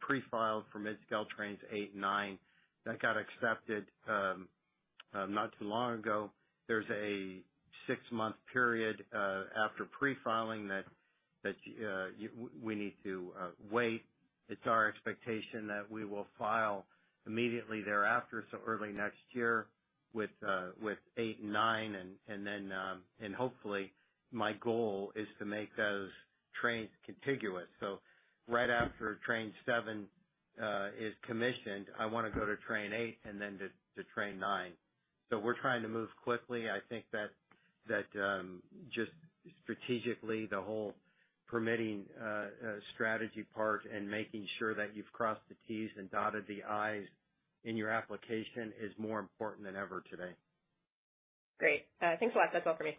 pre-filed for mid-scale trains eight and nine. That got accepted not too long ago. There's a six-month period after pre-filing that we need to wait. It's our expectation that we will file immediately thereafter, so early next year with eight and nine and then hopefully my goal is to make those trains contiguous. Right after train seven is commissioned, I wanna go to train eight and then to train nine. We're trying to move quickly. I think just strategically, the whole permitting strategy part and making sure that you've crossed the T's and dotted the I's in your application is more important than ever today. Great. Thanks a lot. That's all for me.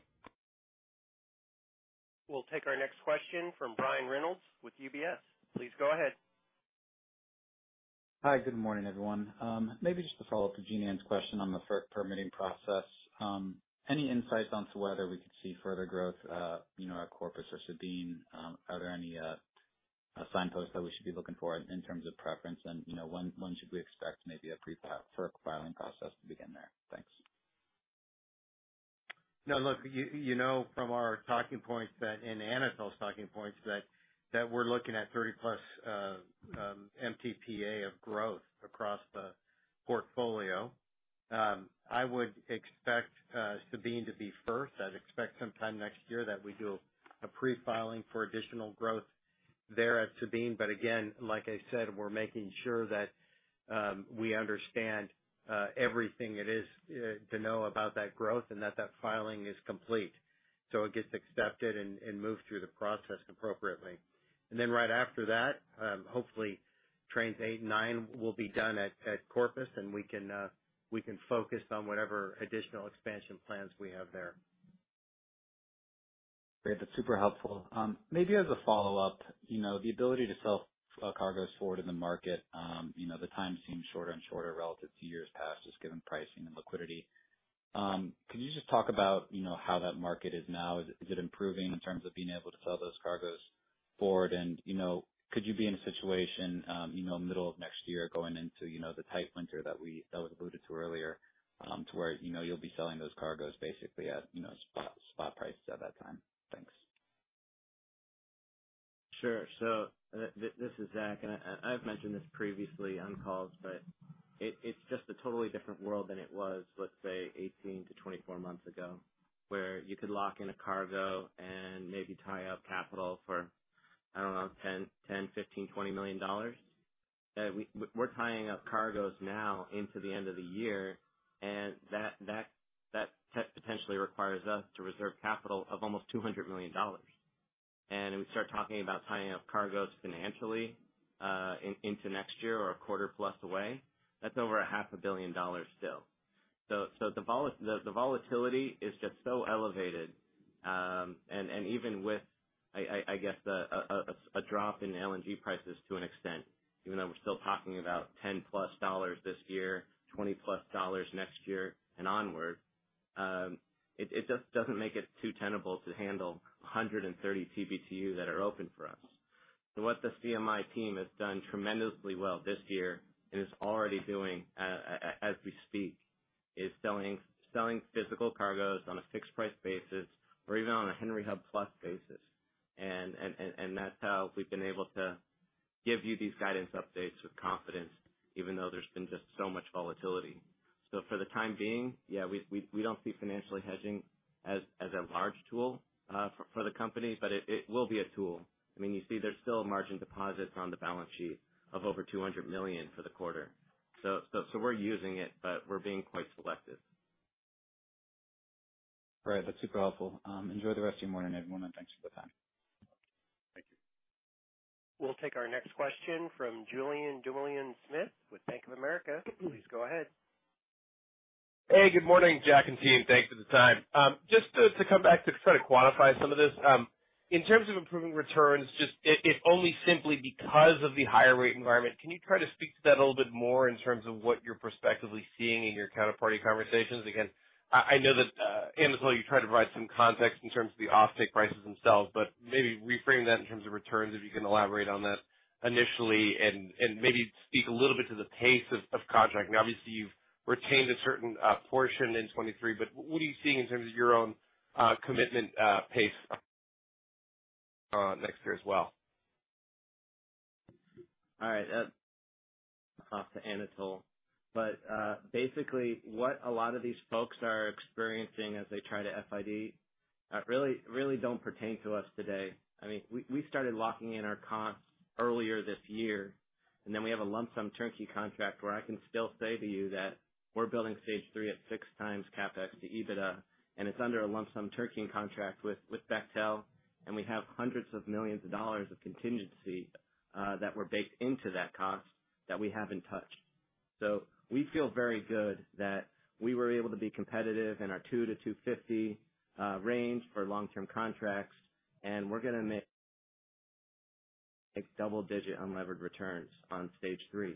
We'll take our next question from Brian Reynolds with UBS. Please go ahead. Hi. Good morning, everyone. Maybe just to follow up to Jean Ann's question on the FERC permitting process. Any insights into whether we could see further growth, you know, at Corpus or Sabine? Are there any signposts that we should be looking for in terms of preference? You know, when should we expect maybe a pre-FERC filing process to begin there? Thanks. No, look, you know from our talking points that, and Anatol's talking points that, we're looking at 30+ MTPA of growth across the portfolio. I would expect Sabine to be first. I'd expect sometime next year that we do a pre-filing for additional growth there at Sabine. Again, like I said, we're making sure that we understand everything there is to know about that growth and that that filing is complete, so it gets accepted and moved through the process appropriately. Right after that, hopefully trains eight and nine will be done at Corpus, and we can focus on whatever additional expansion plans we have there. Great. That's super helpful. Maybe as a follow-up, you know, the ability to sell cargoes forward in the market, you know, the time seems shorter and shorter relative to years past, just given pricing and liquidity. Can you just talk about, you know, how that market is now? Is it improving in terms of being able to sell those cargoes forward? And, you know, could you be in a situation, you know, middle of next year going into, you know, the tight winter that was alluded to earlier, to where, you know, you'll be selling those cargoes basically at spot prices at that time? Thanks. Sure. This is Zach, and I've mentioned this previously on calls, but it's just a totally different world than it was, let's say, 18-24 months ago, where you could lock in a cargo and maybe tie up capital for I don't know, 10, 15, 20 million dollars. We're tying up cargoes now into the end of the year, and that potentially requires us to reserve capital of almost $200 million. If we start talking about tying up cargoes financially, into next year or a quarter plus away, that's over $5,00,000 still. The volatility is just so elevated. Even with, I guess, a drop in LNG prices to an extent, even though we're still talking about $10+ this year, $20+ next year and onward, it just doesn't make it too tenable to handle 130 TBTU that are open for us. What the CMI team has done tremendously well this year and is already doing, as we speak, is selling physical cargoes on a fixed price basis or even on a Henry Hub plus basis. That's how we've been able to give you these guidance updates with confidence, even though there's been just so much volatility. For the time being, we don't see financial hedging as a large tool for the company, but it will be a tool. I mean, you see there's still margin deposits on the balance sheet of over $200 million for the quarter. We're using it, but we're being quite selective. Right. That's super helpful. Enjoy the rest of your morning, everyone, and thanks for the time. Thank you. We'll take our next question from Julien Dumoulin-Smith with Bank of America. Please go ahead. Hey, good morning, Jack and team. Thanks for the time. Just to come back to try to quantify some of this, in terms of improving returns, just if only simply because of the higher rate environment, can you try to speak to that a little bit more in terms of what you're prospectively seeing in your counterparty conversations? Again, I know that, Anatol, you tried to provide some context in terms of the offtake prices themselves, but maybe reframe that in terms of returns, if you can elaborate on that initially and maybe speak a little bit to the pace of contracting. Obviously, you've retained a certain portion in 2023, but what are you seeing in terms of your own commitment pace next year as well? All right. I'll pass to Anatol. Basically what a lot of these folks are experiencing as they try to FID really, really don't pertain to us today. I mean, we started locking in our costs earlier this year, and then we have a lump sum turnkey contract where I can still say to you that we're building Stage 3 at 6x CapEx to EBITDA, and it's under a lump sum turnkey contract with Bechtel, and we have hundreds of millions of dollars of contingency that were baked into that cost that we haven't touched. We feel very good that we were able to be competitive in our $2-$2.50 range for long-term contracts. We're gonna make double-digit unlevered returns on Stage 3.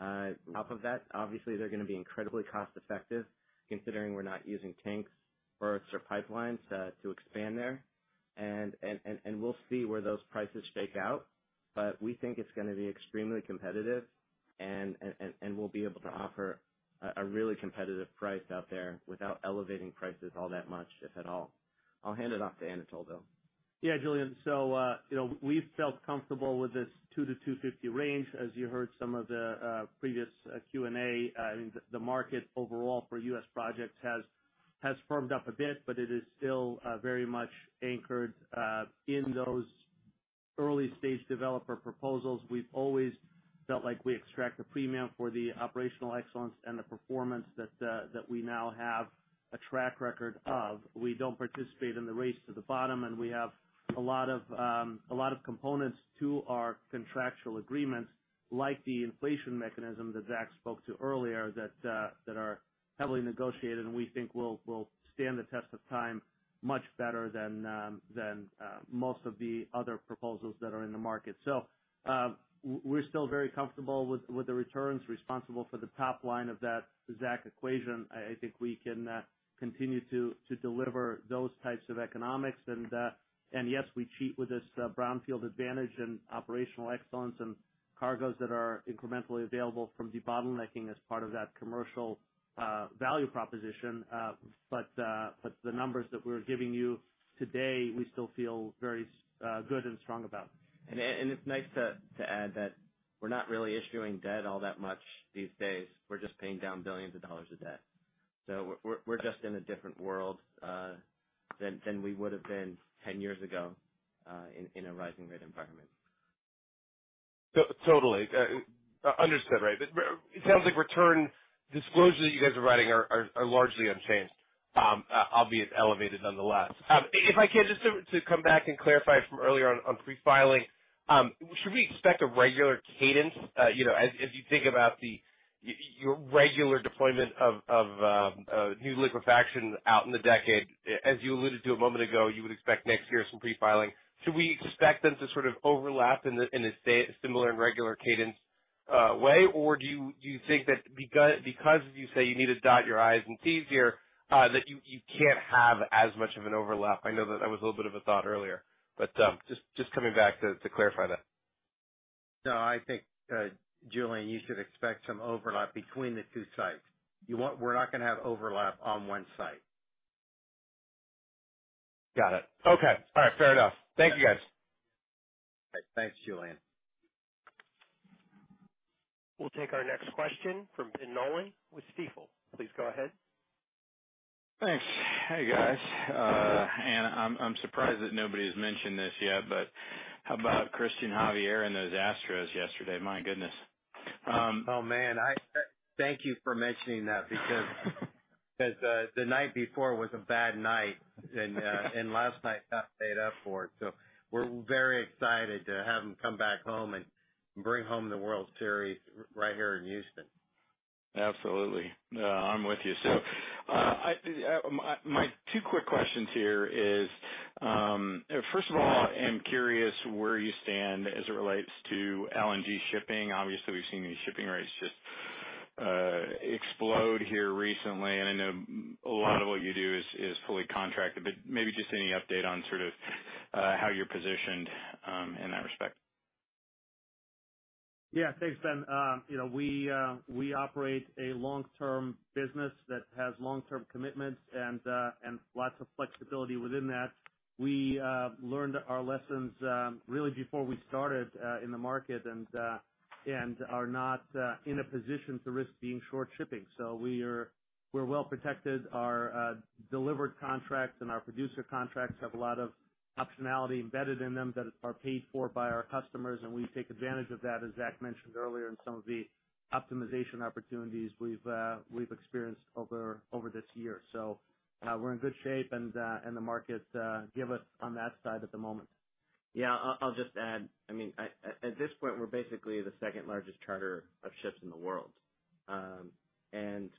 On top of that, obviously, they're gonna be incredibly cost-effective considering we're not using tanks, berths or pipelines to expand there. We'll see where those prices shake out, but we think it's gonna be extremely competitive and we'll be able to offer a really competitive price out there without elevating prices all that much, if at all. I'll hand it off to Anatol, though. Yeah, Julien. You know, we've felt comfortable with this $2-$2.50 range. As you heard some of the previous Q&A, I mean, the market overall for U.S. projects has firmed up a bit, but it is still very much anchored in those early-stage developer proposals. We've always felt like we extract a premium for the operational excellence and the performance that we now have a track record of. We don't participate in the race to the bottom, and we have a lot of components to our contractual agreements, like the inflation mechanism that Zach spoke to earlier that are heavily negotiated, and we think will stand the test of time much better than most of the other proposals that are in the market. We're still very comfortable with the returns responsible for the top line of that Zach equation. I think we can continue to deliver those types of economics. Yes, we cheat with this brownfield advantage and operational excellence and cargoes that are incrementally available from debottlenecking as part of that commercial value proposition. The numbers that we're giving you today, we still feel very good and strong about. It's nice to add that we're not really issuing debt all that much these days. We're just paying down billions of dollars of debt. We're just in a different world than we would have been 10 years ago in a rising rate environment. Totally. Understood, right. It sounds like return disclosures that you guys are writing are largely unchanged, obviously elevated nonetheless. If I can just to come back and clarify from earlier on pre-filing, should we expect a regular cadence, you know, as you think about your regular deployment of new liquefaction out in the decade? As you alluded to a moment ago, you would expect next year some pre-filing. Should we expect them to sort of overlap in a similar and regular cadence way? Or do you think that because you say you need to dot your i's and t's here, that you can't have as much of an overlap? I know that that was a little bit of a thought earlier, but just coming back to clarify that. No, I think, Julien, you should expect some overlap between the two sites. We're not gonna have overlap on one site. Got it. Okay. All right. Fair enough. Thank you, guys. Thanks, Julien. We'll take our next question from Ben Nolan with Stifel. Please go ahead. Thanks. Hey, guys. I'm surprised that nobody has mentioned this yet, but how about Cristian Javier and those Houston Astros yesterday? My goodness. Oh, man. Thank you for mentioning that because as the night before was a bad night. Last night that made up for it. We're very excited to have them come back home and bring home the World Series right here in Houston. Absolutely. No, I'm with you. My two quick questions here is, first of all, I'm curious where you stand as it relates to LNG shipping. Obviously, we've seen these shipping rates just explode here recently, and I know a lot of what you do is fully contracted, but maybe just any update on sort of how you're positioned in that respect. Yeah, thanks, Ben. You know, we operate a long-term business that has long-term commitments and lots of flexibility within that. We learned our lessons really before we started in the market and are not in a position to risk being short shipping. We're well protected. Our delivered contracts and our producer contracts have a lot of optionality embedded in them that are paid for by our customers, and we take advantage of that, as Zach mentioned earlier, in some of the optimization opportunities we've experienced over this year. We're in good shape and the markets give us on that side at the moment. Yeah, I'll just add. I mean, at this point, we're basically the second-largest charter of ships in the world.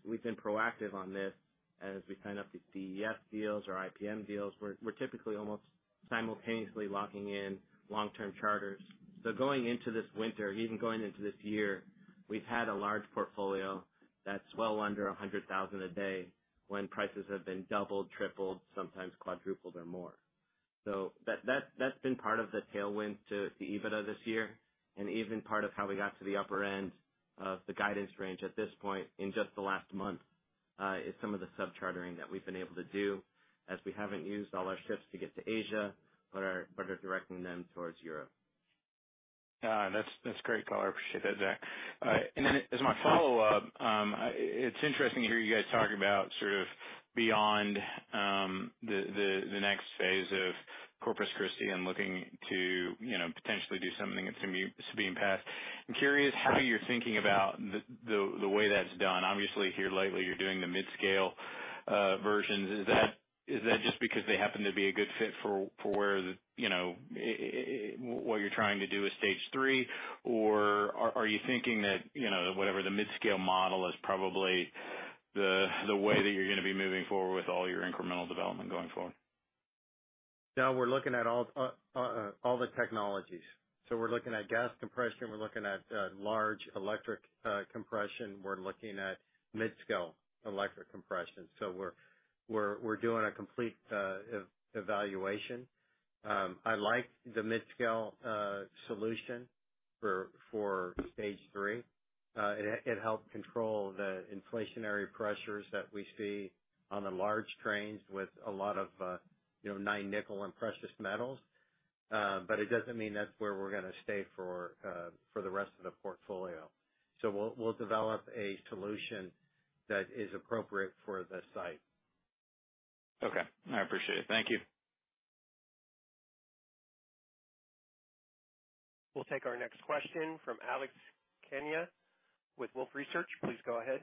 We've been proactive on this as we sign up these DES deals or IPM deals. We're typically almost simultaneously locking in long-term charters. Going into this winter, even going into this year, we've had a large portfolio that's well under 100,000 a day when prices have been doubled, tripled, sometimes quadrupled or more. That's been part of the tailwind to the EBITDA this year and even part of how we got to the upper end of the guidance range at this point in just the last month is some of the sub-chartering that we've been able to do as we haven't used all our ships to get to Asia, but are directing them towards Europe. That's great color. I appreciate that, Zach. As my follow-up, it's interesting to hear you guys talk about sort of beyond the next phase of Corpus Christi and looking to, you know, potentially do something at Sabine Pass. I'm curious how you're thinking about the way that's done. Obviously, here lately, you're doing the mid-scale versions. Is that just because they happen to be a good fit for where, you know, what you're trying to do with Stage 3? Or are you thinking that, you know, whatever the mid-scale model is probably the way that you're gonna be moving forward with all your incremental development going forward? No, we're looking at all the technologies. We're looking at gas compression. We're looking at large electric compression. We're looking at mid-scale electric compression. We're doing a complete evaluation. I like the mid-scale solution for Stage 3. It helps control the inflationary pressures that we see on the large trains with a lot of you know, nine nickel and precious metals. It doesn't mean that's where we're gonna stay for the rest of the portfolio. We'll develop a solution that is appropriate for the site. Okay. I appreciate it. Thank you. We'll take our next question from Alex Kania with Wolfe Research. Please go ahead.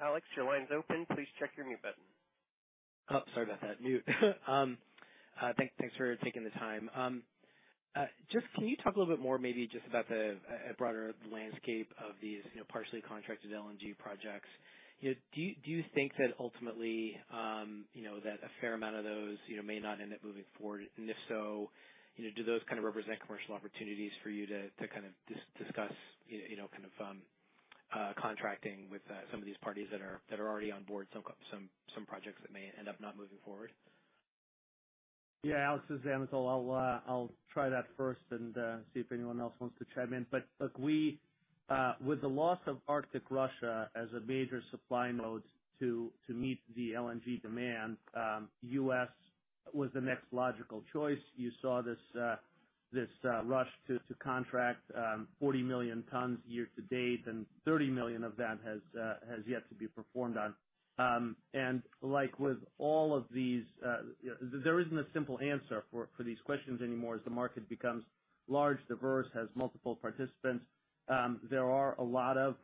Alex, your line's open. Please check your mute button. Oh, sorry about that. Mute. Thanks for taking the time. Just can you talk a little bit more maybe just about the broader landscape of these, you know, partially contracted LNG projects. You know, do you think that ultimately, you know, that a fair amount of those, you know, may not end up moving forward? If so, you know, do those kind of represent commercial opportunities for you to kind of discuss, you know, kind of contracting with some of these parties that are already on board some projects that may end up not moving forward? Yeah, Alex, this is Anatol. I'll try that first and see if anyone else wants to chime in. Look, with the loss of Arctic Russia as a major supply mode to meet the LNG demand, U.S. was the next logical choice. You saw this rush to contract 40 million tons year to date, and 30 million of that has yet to be performed on. Like with all of these, there isn't a simple answer for these questions anymore. As the market becomes large, diverse, has multiple participants, there are a lot of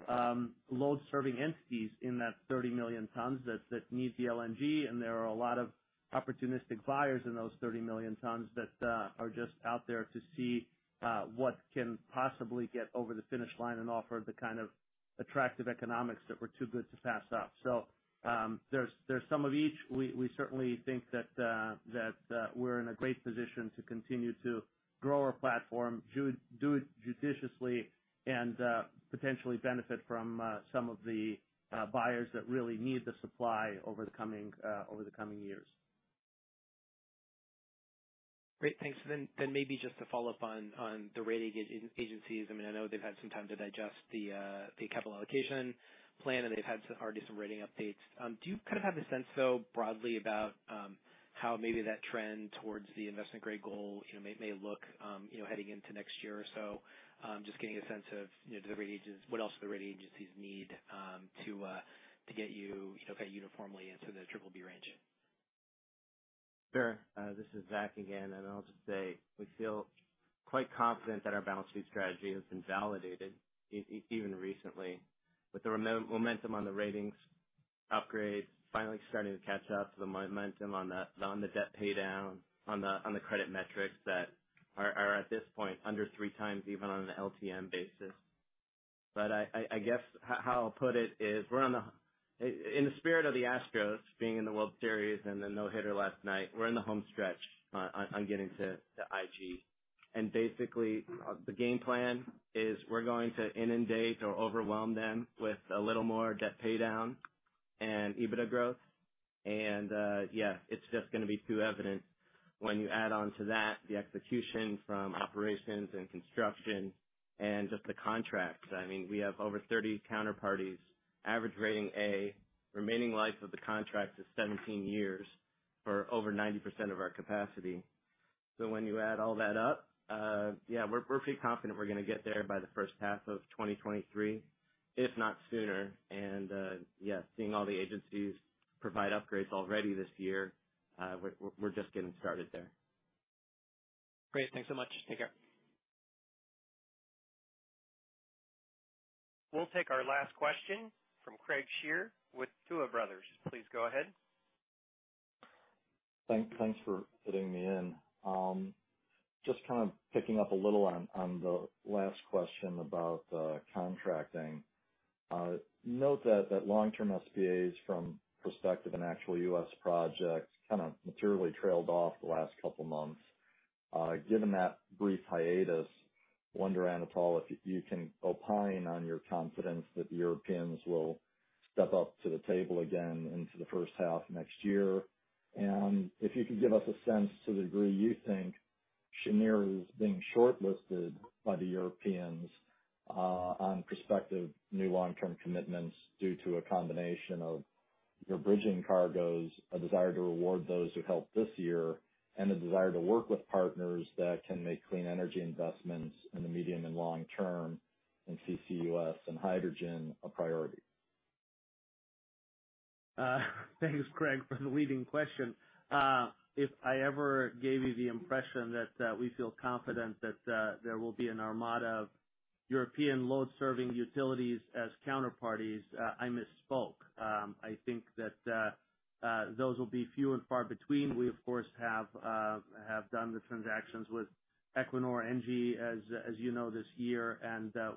load-serving entities in that 30 million tons that need the LNG, and there are a lot of opportunistic buyers in those 30 million tons that are just out there to see what can possibly get over the finish line and offer the kind of attractive economics that were too good to pass up. There's some of each. We certainly think that we're in a great position to continue to grow our platform, do it judiciously and potentially benefit from some of the buyers that really need the supply over the coming years. Great. Thanks. Maybe just to follow up on the rating agencies. I mean, I know they've had some time to digest the capital allocation plan, and they've had already some rating updates. Do you kind of have a sense, though, broadly about how maybe that trend towards the investment-grade goal, you know, may look, you know, heading into next year or so? Just getting a sense of, you know, what else do the rating agencies need to get you know, uniformly into the triple B range? Sure. This is Zach again, and I'll just say we feel quite confident that our balance sheet strategy has been validated even recently with the momentum on the ratings upgrade finally starting to catch up to the momentum on the debt pay down on the credit metrics that are at this point under three times even on an LTM basis. I guess how I'll put it is in the spirit of the Astros being in the World Series and the no-hitter last night, we're in the home stretch on getting to IG. Basically, the game plan is we're going to inundate or overwhelm them with a little more debt paydown and EBITDA growth. It's just gonna be too evident when you add on to that the execution from operations and construction and just the contracts. I mean, we have over 30 counterparties, average rating A. Remaining life of the contract is 17 years for over 90% of our capacity. When you add all that up, we're pretty confident we're gonna get there by the first half of 2023, if not sooner. Seeing all the agencies provide upgrades already this year, we're just getting started there. Great. Thanks so much. Take care. We'll take our last question from Craig Shere with Tuohy Brothers. Please go ahead. Thanks for fitting me in. Just kind of picking up a little on the last question about contracting. Note that long-term SPAs from prospective and actual U.S. projects kind of materially trailed off the last couple months. Given that brief hiatus, wonder, Anatol, if you can opine on your confidence that the Europeans will step up to the table again into the first half next year. If you could give us a sense to the degree you think Cheniere is being shortlisted by the Europeans on prospective new long-term commitments due to a combination of your bridging cargoes, a desire to reward those who helped this year, and a desire to work with partners that can make clean energy investments in the medium and long term in CCUS and hydrogen a priority. Thanks, Craig, for the leading question. If I ever gave you the impression that we feel confident that there will be an armada of European load-serving utilities as counterparties, I misspoke. I think that those will be few and far between. We of course have done the transactions with Equinor, Engie, as you know, this year.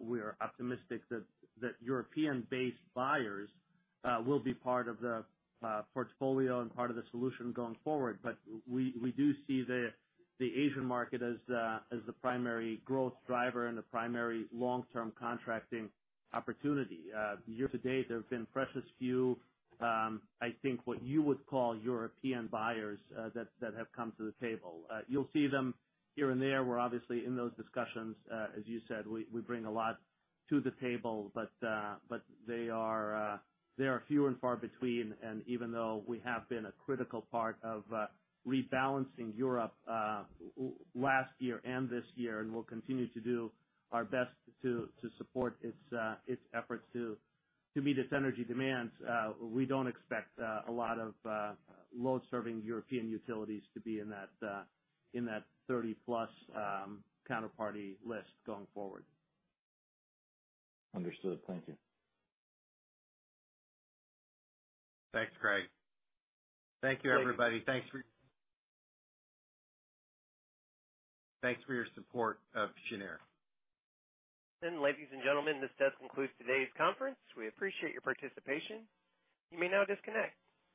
We are optimistic that European-based buyers will be part of the portfolio and part of the solution going forward. We do see the Asian market as the primary growth driver and the primary long-term contracting opportunity. Year to date, there have been precious few. I think what you would call European buyers that have come to the table. You'll see them here and there. We're obviously in those discussions. As you said, we bring a lot to the table, but they are few and far between. Even though we have been a critical part of rebalancing Europe last year and this year and will continue to do our best to support its efforts to meet its energy demands, we don't expect a lot of load-serving European utilities to be in that 30-plus counterparty list going forward. Understood. Thank you. Thanks, Craig. Thank you, everybody. Thanks. Thanks for your support of Cheniere. Ladies and gentlemen, this does conclude today's conference. We appreciate your participation. You may now disconnect.